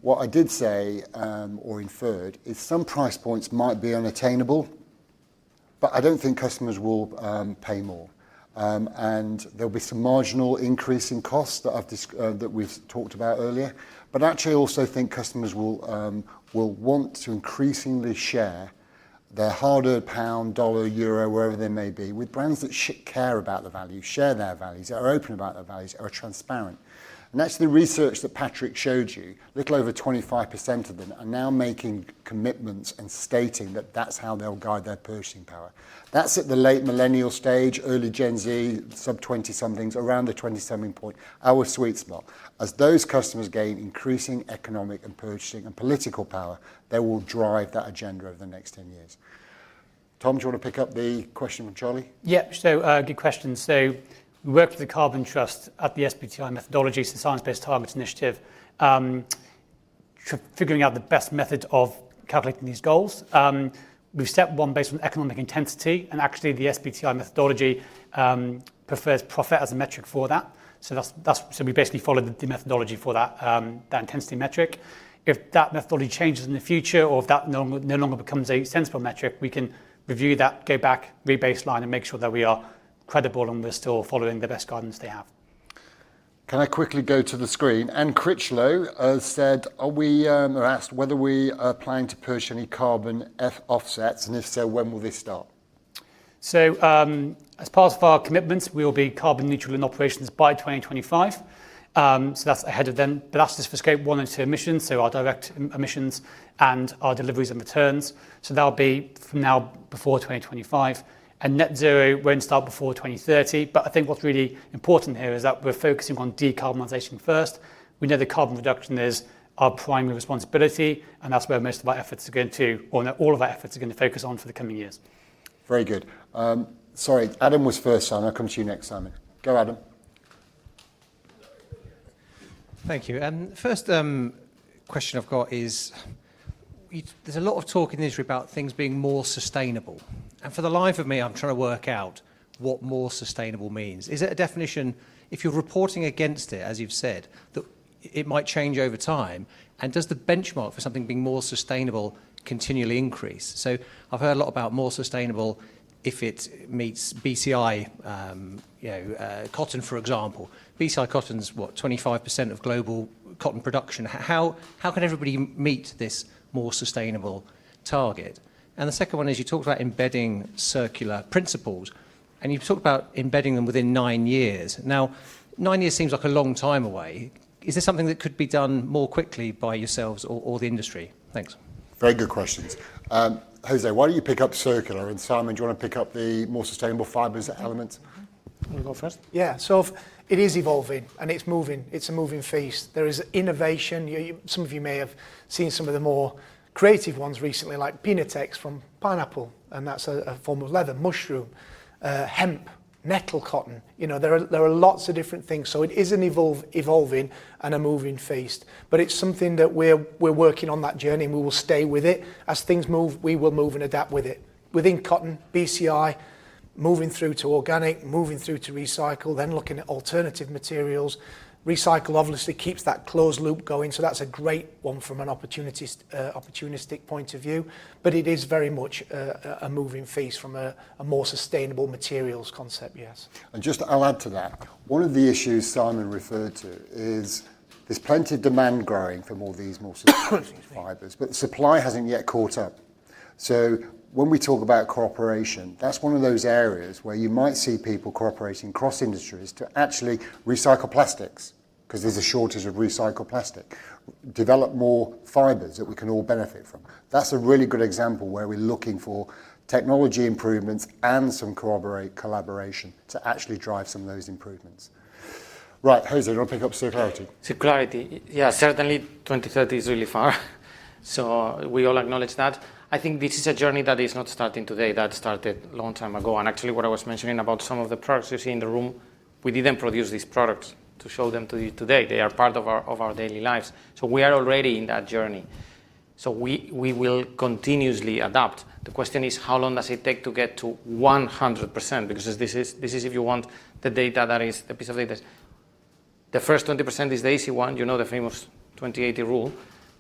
What I did say, or inferred, is some price points might be unattainable. I don't think customers will pay more. There'll be some marginal increase in cost that we've talked about earlier. Actually, I also think customers will want to increasingly share their hard-earned pound, dollar, euro, wherever they may be, with brands that care about the value, share their values, are open about their values, are transparent. That's the research that Patrik showed you. A little over 25% of them are now making commitments and stating that that's how they'll guide their purchasing power. That's at the late millennial stage, early Gen Z, sub 20-somethings, around the 27 point, our sweet spot. As those customers gain increasing economic and purchasing and political power, they will drive that agenda over the next 10 years. Tom, do you want to pick up the question from Charlie? Yeah. Good question. We worked with the Carbon Trust at the SBTi methodology, so Science Based Targets initiative, figuring out the best method of calculating these goals. We've set one based on economic intensity, and actually, the SBTi methodology prefers profit as a metric for that. We basically followed the methodology for that intensity metric. If that methodology changes in the future or if that no longer becomes a sensible metric, we can review that, go back, re-baseline, and make sure that we are credible and we're still following the best guidance they have. Can I quickly go to the screen? Anne Critchlow asked whether we are planning to purchase any carbon offsets, and if so, when will this start? As part of our commitments, we will be carbon neutral in operations by 2025. That's ahead of them. That's just for Scope 1 and 2 emissions, so our direct emissions and our deliveries and returns. That'll be from now before 2025. Net zero won't start before 2030. I think what's really important here is that we're focusing on decarbonization first. We know that carbon reduction is our primary responsibility, and that's where most of our efforts are going to, or all of our efforts are going to focus on for the coming years. Very good. Sorry, Adam was first. I'm going to come to you next, Simon. Go, Adam. Thank you. The first question I've got is, there's a lot of talk in the industry about things being more sustainable. For the life of me, I'm trying to work out what more sustainable means. Is it a definition if you're reporting against it, as you've said, that it might change over time? Does the benchmark for something being more sustainable continually increase? I've heard a lot about more sustainable if it meets BCI cotton, for example. BCI cotton's what? 25% of global cotton production. How can everybody meet this more sustainable target? The second one is you talked about embedding circular principles, and you've talked about embedding them within nine years. Nine years seems like a long time away. Is this something that could be done more quickly by yourselves or the industry? Thanks. Very good questions. Jose, why don't you pick up circular, and Simon, do you want to pick up the more sustainable fibers element? You want to go first? It is evolving, and it is moving. It is a moving feast. There is innovation. Some of you may have seen some of the more creative ones recently, like Piñatex from pineapple, and that is a form of leather. Mushroom, hemp, nettle cotton. There are lots of different things. It is evolving and a moving feast. It is something that we are working on that journey, and we will stay with it. As things move, we will move and adapt with it. Within cotton, BCI, moving through to organic, moving through to recycle, then looking at alternative materials. Recycle obviously keeps that closed loop going, so that is a great one from an opportunistic point of view. It is very much a moving feast from a more sustainable materials concept, yes. Just I'll add to that. One of the issues Simon referred to is there's plenty of demand growing for more of these more sustainable fibers. Supply hasn't yet caught up. When we talk about cooperation, that's one of those areas where you might see people cooperating across industries to actually recycle plastics because there's a shortage of recycled plastic. Develop more fibers that we can all benefit from. That's a really good example where we're looking for technology improvements and some collaboration to actually drive some of those improvements. Right. Jose, do you want to pick up circularity? Circularity. Yeah, certainly 2030 is really far. We all acknowledge that. I think this is a journey that is not starting today, that started a long time ago. Actually, what I was mentioning about some of the products you see in the room, we didn't produce these products to show them to you today. They are part of our daily lives. We are already on that journey. We will continuously adapt. The question is, how long does it take to get to 100%? Because this is if you want the data that is the piece of data. The first 20% is the easy one, you know the famous 20/80 rule.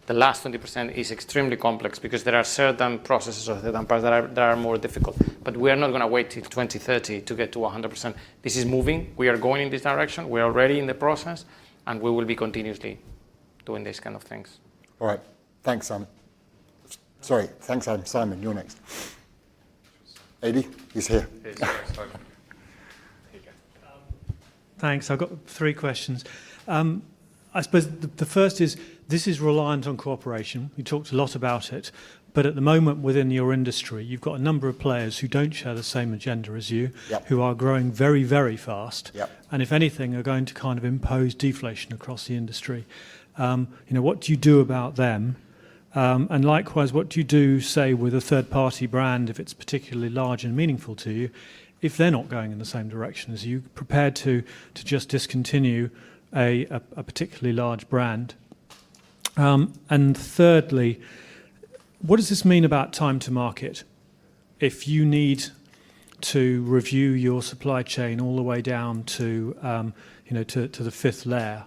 The last 20% is extremely complex because there are certain processes or certain parts that are more difficult. We are not going to wait till 2030 to get to 100%. This is moving. We are going in this direction. We are already in the process, we will be continuously doing these kind of things. All right. Thanks, Simon. Sorry. Thanks. Adam. Simon, you're next. Ady? He's here. Ady, sorry. Here you go. Thanks. I've got three questions. I suppose the first is, this is reliant on cooperation. You talked a lot about it, but at the moment within your industry, you've got a number of players who don't share the same agenda as you. Yep. Who are growing very, very fast. Yep. If anything, are going to kind of impose deflation across the industry. What do you do about them? Likewise, what do you do, say, with a third-party brand if it's particularly large and meaningful to you, if they're not going in the same direction as you? Prepared to just discontinue a particularly large brand? Thirdly, what does this mean about time to market? If you need to review your supply chain all the way down to the fifth layer,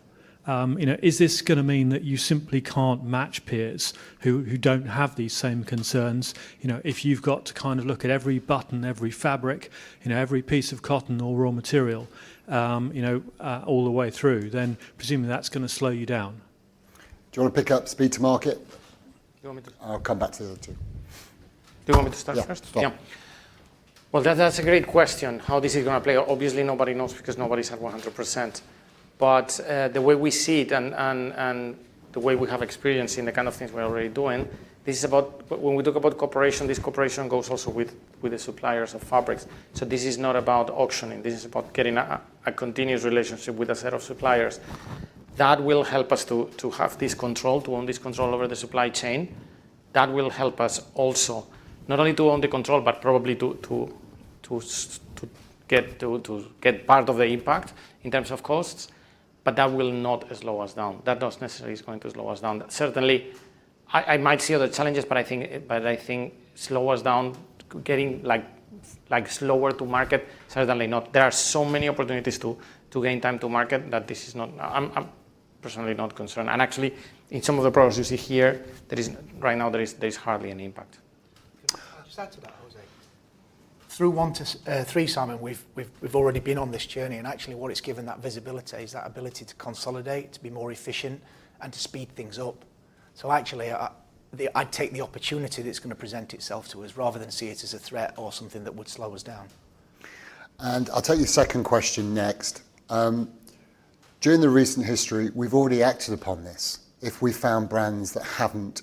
is this going to mean that you simply can't match peers who don't have these same concerns? If you've got to kind of look at every button, every fabric, every piece of cotton or raw material all the way through, then presumably that's going to slow you down. Do you want to pick up speed to market? Do you want me to? I'll come back to the other two. Do you want me to start first? Yeah. Go on. That's a great question, how this is going to play out. Obviously, nobody knows because nobody's at 100%. The way we see it, and the way we have experience in the kind of things we're already doing, when we talk about cooperation, this cooperation goes also with the suppliers of fabrics. This is not about auctioning. This is about getting a continuous relationship with a set of suppliers. That will help us to have this control, to own this control over the supply chain. That will help us also not only to own the control, but probably to get part of the impact in terms of costs. That will not slow us down. That doesn't necessarily is going to slow us down. Certainly, I might see other challenges, but I think slow us down, getting like slower to market, certainly not. There are so many opportunities to gain time to market that this is not, I'm personally not concerned. Actually, in some of the products you see here, right now, there is hardly an impact. Can I just add to that, Jose? Through Scope 1 to 3, Simon, we've already been on this journey, actually what it's given that visibility is that ability to consolidate, to be more efficient, and to speed things up. Actually, I'd take the opportunity that it's going to present itself to us rather than see it as a threat or something that would slow us down. I'll take your second question next. During the recent history, we've already acted upon this. If we've found brands that haven't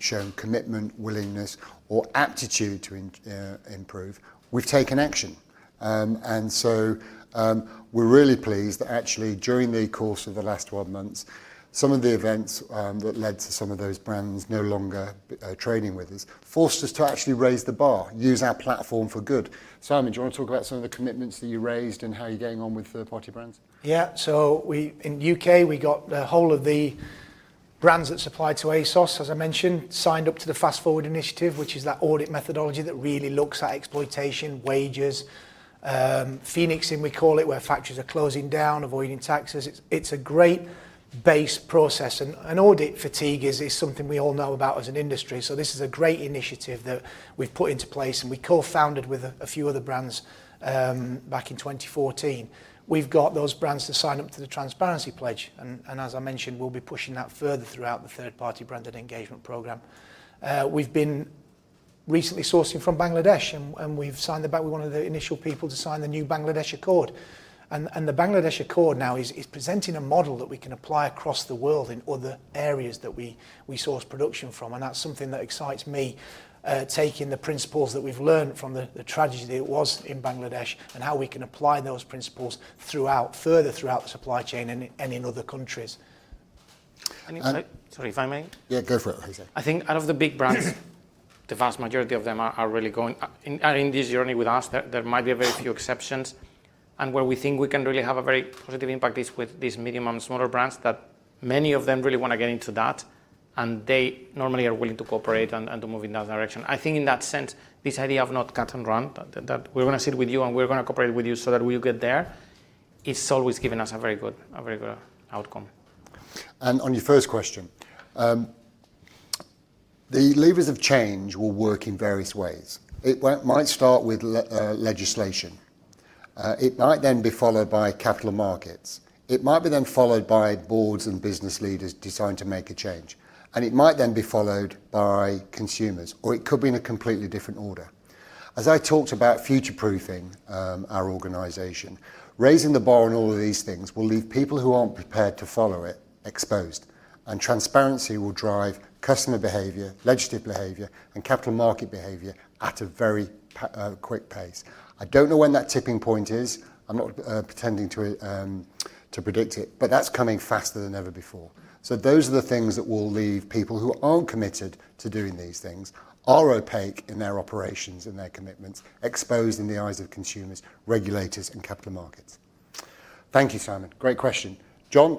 shown commitment, willingness, or aptitude to improve, we've taken action. We're really pleased that actually during the course of the last 12 months, some of the events that led to some of those brands no longer trading with us forced us to actually raise the bar, use our platform for good. Simon, do you want to talk about some of the commitments that you raised and how you're getting on with third-party brands? In the U.K., we got the whole of the brands that supply to ASOS, as I mentioned, signed up to the Fast Forward Initiative, which is that audit methodology that really looks at exploitation, wages, phoenixing we call it, where factories are closing down, avoiding taxes. It's a great base process, and audit fatigue is something we all know about as an industry. This is a great initiative that we've put into place, and we co-founded with a few other brands back in 2014. We've got those brands to sign up to the Transparency Pledge, and as I mentioned, we'll be pushing that further throughout the third-party branded engagement program. We've been recently sourcing from Bangladesh, and we've signed the Accord with one of the initial people to sign the new Bangladesh Accord. The Bangladesh Accord now is presenting a model that we can apply across the world in other areas that we source production from, and that's something that excites me, taking the principles that we've learned from the tragedy that was in Bangladesh and how we can apply those principles further throughout the supply chain and in other countries. Sorry, if I may? Yeah, go for it, Jose. I think out of the big brands, the vast majority of them are in this journey with us. There might be a very few exceptions. Where we think we can really have a very positive impact is with these medium and smaller brands that many of them really want to get into that, and they normally are willing to cooperate and to move in that direction. I think in that sense, this idea of not cut and run, that we're going to sit with you and we're going to cooperate with you so that we'll get there, it's always given us a very good outcome. On your first question, the levers of change will work in various ways. It might start with legislation. It might then be followed by capital markets. It might be then followed by boards and business leaders deciding to make a change. It might then be followed by consumers, or it could be in a completely different order. As I talked about future-proofing our organization, raising the bar on all of these things will leave people who aren't prepared to follow it exposed. Transparency will drive customer behavior, legislative behavior, and capital market behavior at a very quick pace. I don't know when that tipping point is. I'm not pretending to predict it. That's coming faster than ever before. Those are the things that will leave people who aren't committed to doing these things, are opaque in their operations and their commitments, exposed in the eyes of consumers, regulators, and capital markets. Thank you, Simon. Great question. John?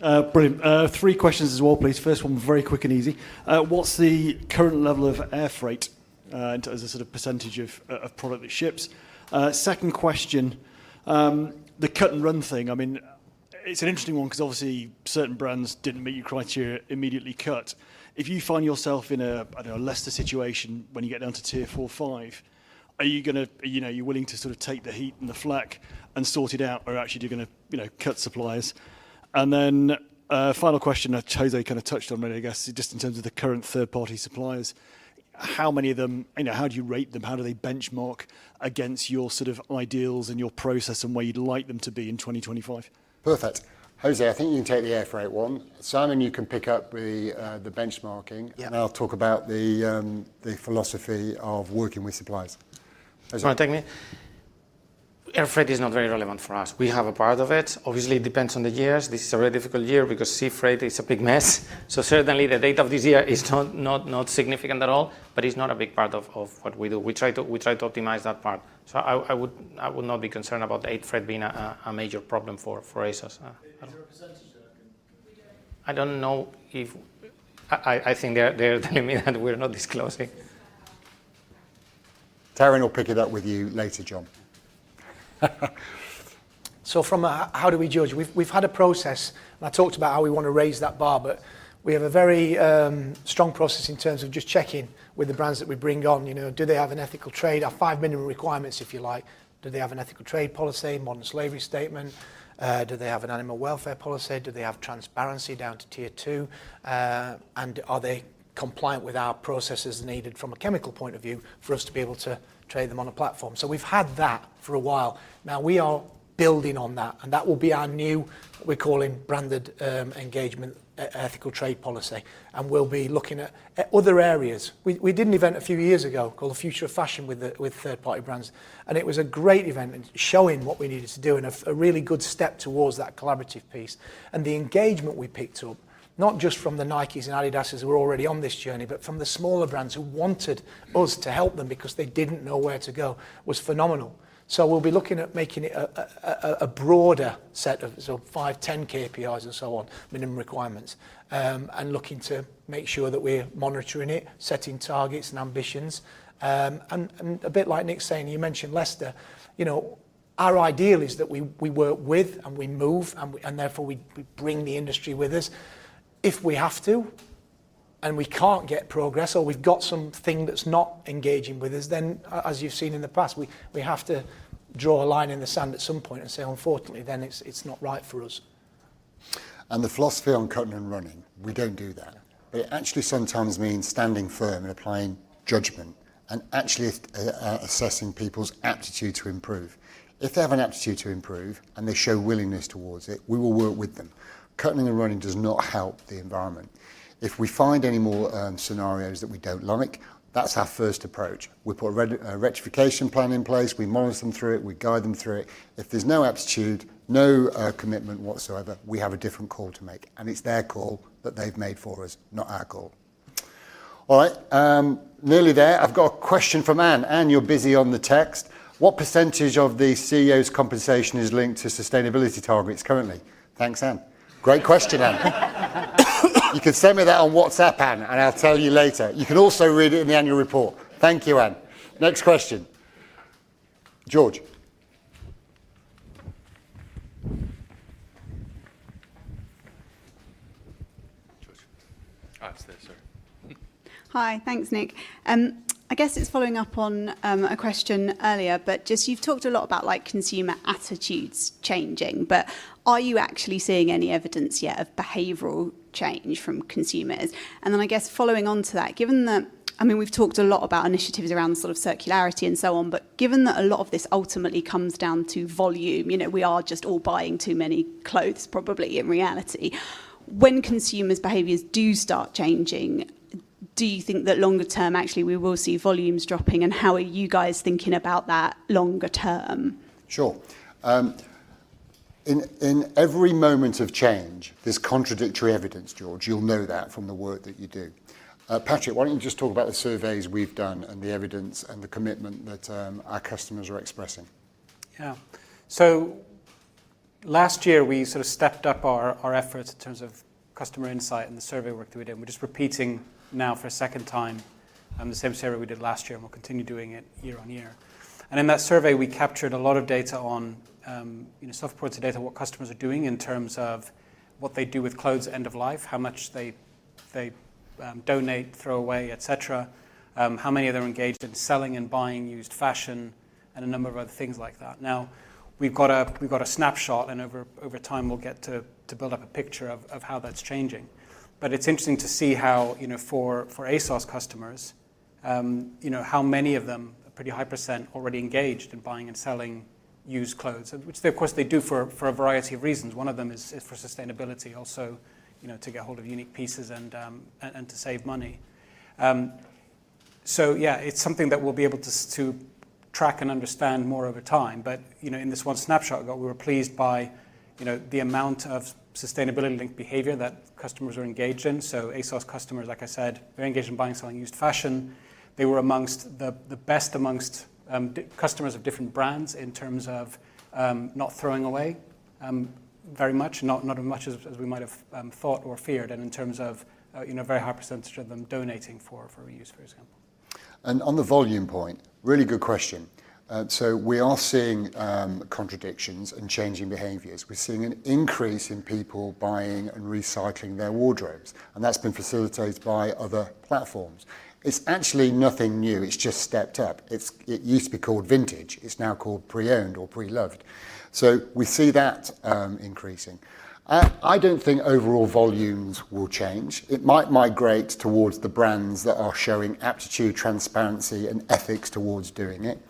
Brilliant. Three questions as well, please. First one, very quick and easy. What's the current level of air freight as a sort of percentage of product that ships? Second question, the cut and run thing, it's an interesting one because obviously certain brands didn't meet your criteria, immediately cut. If you find yourself in a Leicester situation when you get down to tier four, five, are you willing to sort of take the heat and the flak and sort it out, or actually you're going to cut suppliers? A final question that Jose kind of touched on really, I guess, just in terms of the current third-party suppliers. How many of them, how do you rate them? How do they benchmark against your sort of ideals and your process and where you'd like them to be in 2025? Perfect. Jose, I think you can take the air freight one. Simon, you can pick up the benchmarking. Yeah. I'll talk about the philosophy of working with suppliers. Jose? Air freight is not very relevant for us. We have a part of it. Obviously, it depends on the years. This is a very difficult year because sea freight is a big mess. Certainly, the data of this year is not significant at all, but it's not a big part of what we do. We try to optimize that part. I would not be concerned about air freight being a major problem for ASOS. Is there a percentage that can be given? I don't know if I think they're telling me that we're not disclosing. [Taryn] will pick it up with you later, John. From a how do we judge? We've had a process, and I talked about how we want to raise that bar, but we have a very strong process in terms of just checking with the brands that we bring on. Do they have an ethical trade, our five minimum requirements, if you like. Do they have an Ethical Trade Policy, Modern Slavery Statement? Do they have an Animal Welfare Policy? Do they have transparency down to tier two? Are they compliant with our processes needed from a chemical point of view for us to be able to trade them on a platform? We've had that for a while. Now, we are building on that, and that will be our new, we're calling Branded Engagement Ethical Trade Policy, and we'll be looking at other areas. We did an event a few years ago called The Future of Fashion with third-party brands. It was a great event in showing what we needed to do and a really good step towards that collaborative piece. The engagement we picked up, not just from the Nikes and Adidas who are already on this journey, but from the smaller brands who wanted us to help them because they didn't know where to go, was phenomenal. So we'll be looking at making it a broader set of, so five, 10 KPIs and so on, minimum requirements, and looking to make sure that we're monitoring it, setting targets and ambitions. A bit like Nick saying, you mentioned Leicester. Our ideal is that we work with and we move, and therefore we bring the industry with us. If we have to, and we can't get progress, or we've got something that's not engaging with us, then, as you've seen in the past, we have to draw a line in the sand at some point and say, unfortunately, then it's not right for us. The philosophy on cutting and running, we don't do that. It actually sometimes means standing firm and applying judgment, and actually assessing people's aptitude to improve. If they have an aptitude to improve and they show willingness towards it, we will work with them. Cutting and running does not help the environment. If we find any more scenarios that we don't like, that's our first approach. We put a rectification plan in place. We monitor them through it. We guide them through it. If there's no aptitude, no commitment whatsoever, we have a different call to make. It's their call that they've made for us, not our call. All right. Nearly there. I've got a question from Anne. Anne, you're busy on the text. What % of the CEO's compensation is linked to sustainability targets currently? Thanks, Anne. Great question, Anne. You can send me that on WhatsApp, Anne. I'll tell you later. You can also read it in the annual report. Thank you, Anne. Next question. George. Oh, it's there, sorry. Hi. Thanks, Nick. I guess it's following up on a question earlier, but just you've talked a lot about consumer attitudes changing, but are you actually seeing any evidence yet of behavioral change from consumers? I guess following on to that, given that, we've talked a lot about initiatives around sort of circularity and so on, but given that a lot of this ultimately comes down to volume, we are just all buying too many clothes, probably in reality. When consumers' behaviors do start changing, do you think that longer term, actually, we will see volumes dropping? How are you guys thinking about that longer term? Sure. In every moment of change, there's contradictory evidence, George. You'll know that from the work that you do. Patrik, why don't you just talk about the surveys we've done and the evidence and the commitment that our customers are expressing? Yeah. Last year, we sort of stepped up our efforts in terms of customer insight and the survey work that we did. We're just repeating now for a second time the same survey we did last year. We'll continue doing it year on year. In that survey, we captured a lot of data on, soft points of data, what customers are doing in terms of what they do with clothes end of life, how much they donate, throw away, et cetera, how many of them are engaged in selling and buying used fashion, and a number of other things like that. Now, we've got a snapshot, and over time, we'll get to build up a picture of how that's changing. It's interesting to see how, for ASOS customers, how many of them, a pretty high percent, are already engaged in buying and selling used clothes, which of course, they do for a variety of reasons. One of them is for sustainability, also to get hold of unique pieces and to save money. Yeah, it's something that we'll be able to track and understand more over time. In this one snapshot we got, we were pleased by the amount of sustainability-linked behavior that customers are engaged in. ASOS customers, like I said, very engaged in buying and selling used fashion. They were amongst the best amongst customers of different brands in terms of not throwing away very much, not as much as we might have thought or feared, and in terms of a very high percentage of them donating for reuse, for example. On the volume point, really good question. We are seeing contradictions and changing behaviors. We're seeing an increase in people buying and recycling their wardrobes, and that's been facilitated by other platforms. It's actually nothing new. It's just stepped up. It used to be called vintage. It's now called pre-owned or pre-loved. We see that increasing. I don't think overall volumes will change. It might migrate towards the brands that are showing aptitude, transparency, and ethics towards doing it.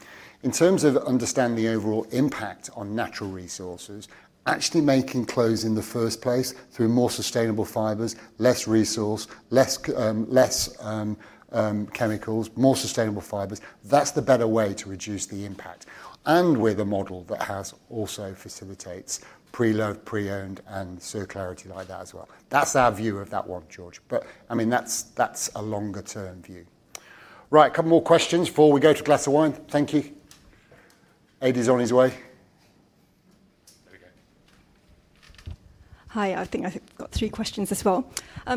In terms of understanding the overall impact on natural resources, actually making clothes in the first place through more sustainable fibers, less resource, less chemicals, more sustainable fibers, that's the better way to reduce the impact. With a model that also facilitates pre-loved, pre-owned, and circularity like that as well. That's our view of that one, George, but that's a longer-term view. Right. A couple more questions before we go to a glass of wine. Thank you. Ady's on his way. There we go. Hi. I think I've got three questions as well.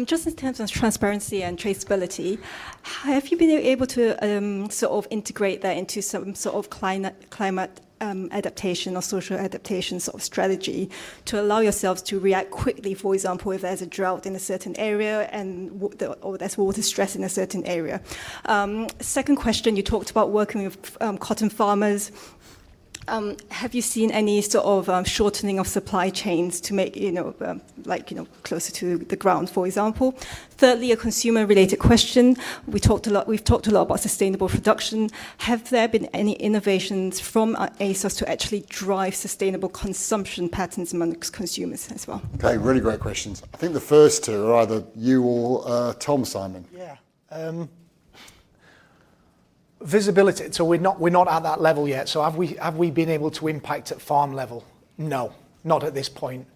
Just in terms of transparency and traceability, have you been able to sort of integrate that into some sort of climate adaptation or social adaptation sort of strategy to allow yourselves to react quickly, for example, if there's a drought in a certain area and/or there's water stress in a certain area? Second question, you talked about working with cotton farmers. Have you seen any sort of shortening of supply chains to make, like closer to the ground, for example? Thirdly, a consumer-related question. We've talked a lot about sustainable production. Have there been any innovations from ASOS to actually drive sustainable consumption patterns amongst consumers as well? Okay. Really great questions. I think the first two are either you or Tom, Simon. Yeah. Visibility. We're not at that level yet. Have we been able to impact at farm level? No, not at this point.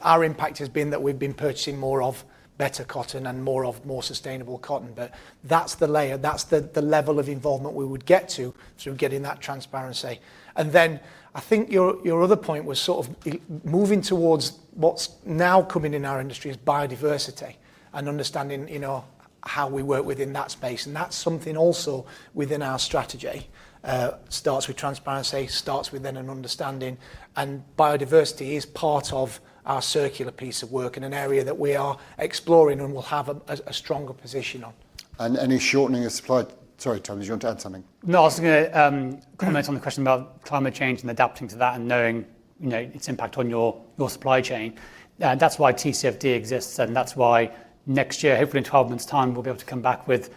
Our impact has been that we've been purchasing more of better cotton and more of more sustainable cotton. That's the layer, that's the level of involvement we would get to through getting that transparency. I think your other point was sort of moving towards what's now coming in our industry is biodiversity and understanding how we work within that space. That's something also within our strategy. It starts with transparency, starts within an understanding, and biodiversity is part of our circular piece of work and an area that we are exploring and will have a stronger position on. Sorry, Tom, did you want to add something? I was going to comment on the question about climate change and adapting to that and knowing its impact on your supply chain. That's why TCFD exists, that's why next year, hopefully in 12 months' time, we'll be able to come back with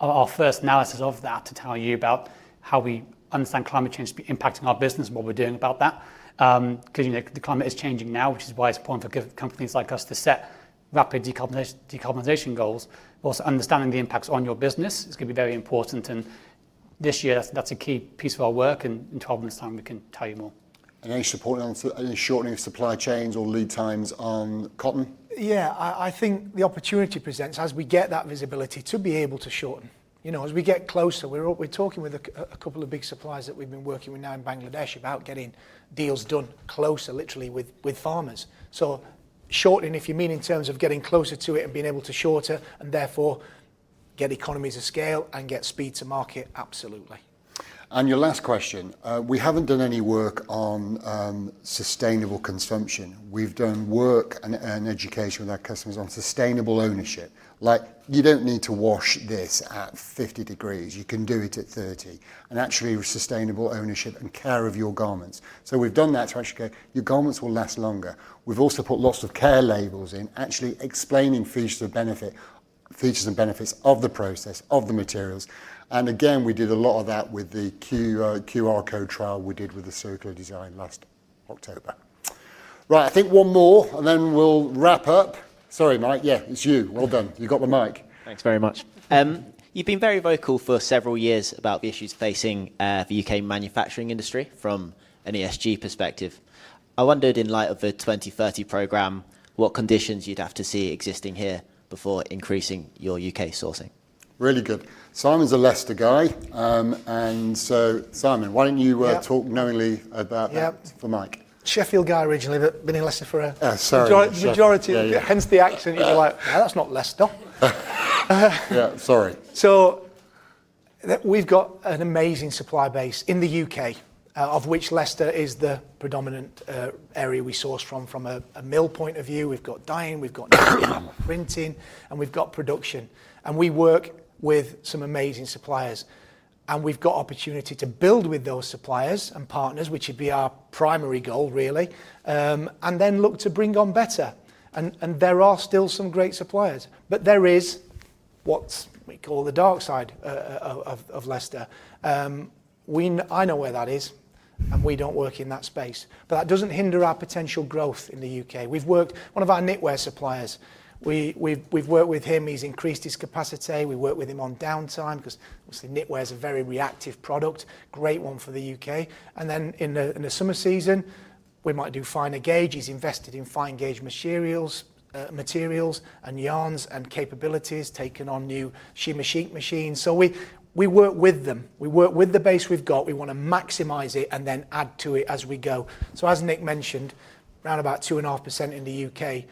our first analysis of that to tell you about how we understand climate change impacting our business and what we're doing about that. The climate is changing now, which is why it's important for companies like us to set rapid decarbonization goals, also understanding the impacts on your business is going to be very important. This year, that's a key piece of our work, in 12 months' time, we can tell you more. Any shortening of supply chains or lead times on cotton? Yeah, I think the opportunity presents as we get that visibility to be able to shorten. As we get closer, we're talking with a couple of big suppliers that we've been working with now in Bangladesh about getting deals done closer literally with farmers. Shortening, if you mean in terms of getting closer to it and being able to shorten and therefore get economies of scale and get speed to market, absolutely. On your last question, we haven't done any work on sustainable consumption. We've done work and education with our customers on sustainable ownership. Like, you don't need to wash this at 50 degrees. You can do it at 30, and actually with sustainable ownership and care of your garments. We've done that to actually go, "Your garments will last longer." We've also put lots of care labels in, actually explaining features and benefits of the process, of the materials. Again, we did a lot of that with the QR code trial we did with the circular design last October. I think one more, and then we'll wrap up. Sorry, Mike. Yeah, it's you. Well done. You got the mic. Thanks very much. You've been very vocal for several years about the issues facing the U.K. manufacturing industry from an ESG perspective. I wondered, in light of the 2030 Program, what conditions you'd have to see existing here before increasing your U.K. sourcing. Really good. Simon's a Leicester guy, Simon, why don't you talk knowingly about that. Yep. For Mike? Sheffield guy originally, but been in Leicester for a- Oh, sorry. Majority. Yeah. Hence the accent. You're like, "That's not Leicester. Yeah, sorry. We've got an amazing supply base in the U.K., of which Leicester is the predominant area we source from a mill point of view. We've got dyeing, we've got printing, and we've got production. We work with some amazing suppliers. We've got opportunity to build with those suppliers and partners, which would be our primary goal, really, and then look to bring on better. There are still some great suppliers. There is what we call the dark side of Leicester. I know where that is, and we don't work in that space. That doesn't hinder our potential growth in the U.K. one of our knitwear suppliers, we've worked with him. He's increased his capacity. We worked with him on downtime because obviously knitwear's a very reactive product, great one for the U.K. Then in the summer season, we might do finer gauge. He's invested in fine-gauge materials and yarns and capabilities, taken on new Shima machine. We work with them. We work with the base we've got. We want to maximize it and then add to it as we go. As Nick mentioned, around about 2.5% in the U.K.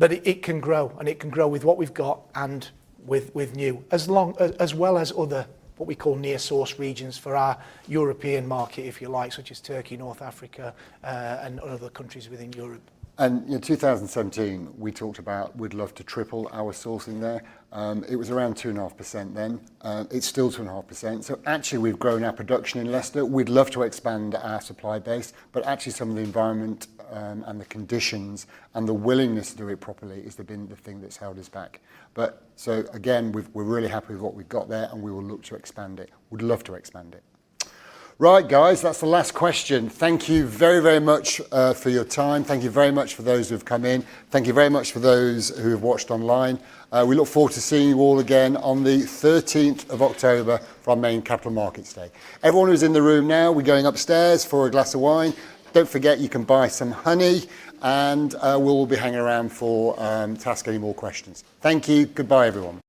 It can grow, and it can grow with what we've got and with new. As well as other what we call near source regions for our European market, if you like, such as Turkey, North Africa, and other countries within Europe. In 2017, we talked about we'd love to triple our sourcing there. It was around 2.5% then. It's still 2.5%. Actually, we've grown our production in Leicester. We'd love to expand our supply base, actually, some of the environment and the conditions and the willingness to do it properly has been the thing that's held us back. Again, we're really happy with what we've got there, and we will look to expand it. We'd love to expand it. Right, guys, that's the last question. Thank you very, very much for your time. Thank you very much for those who have come in. Thank you very much for those who have watched online. We look forward to seeing you all again on the October 13th for our main Capital Markets Day. Everyone who's in the room now, we're going upstairs for a glass of wine. Don't forget you can buy some honey, and we'll all be hanging around to ask any more questions. Thank you. Goodbye, everyone.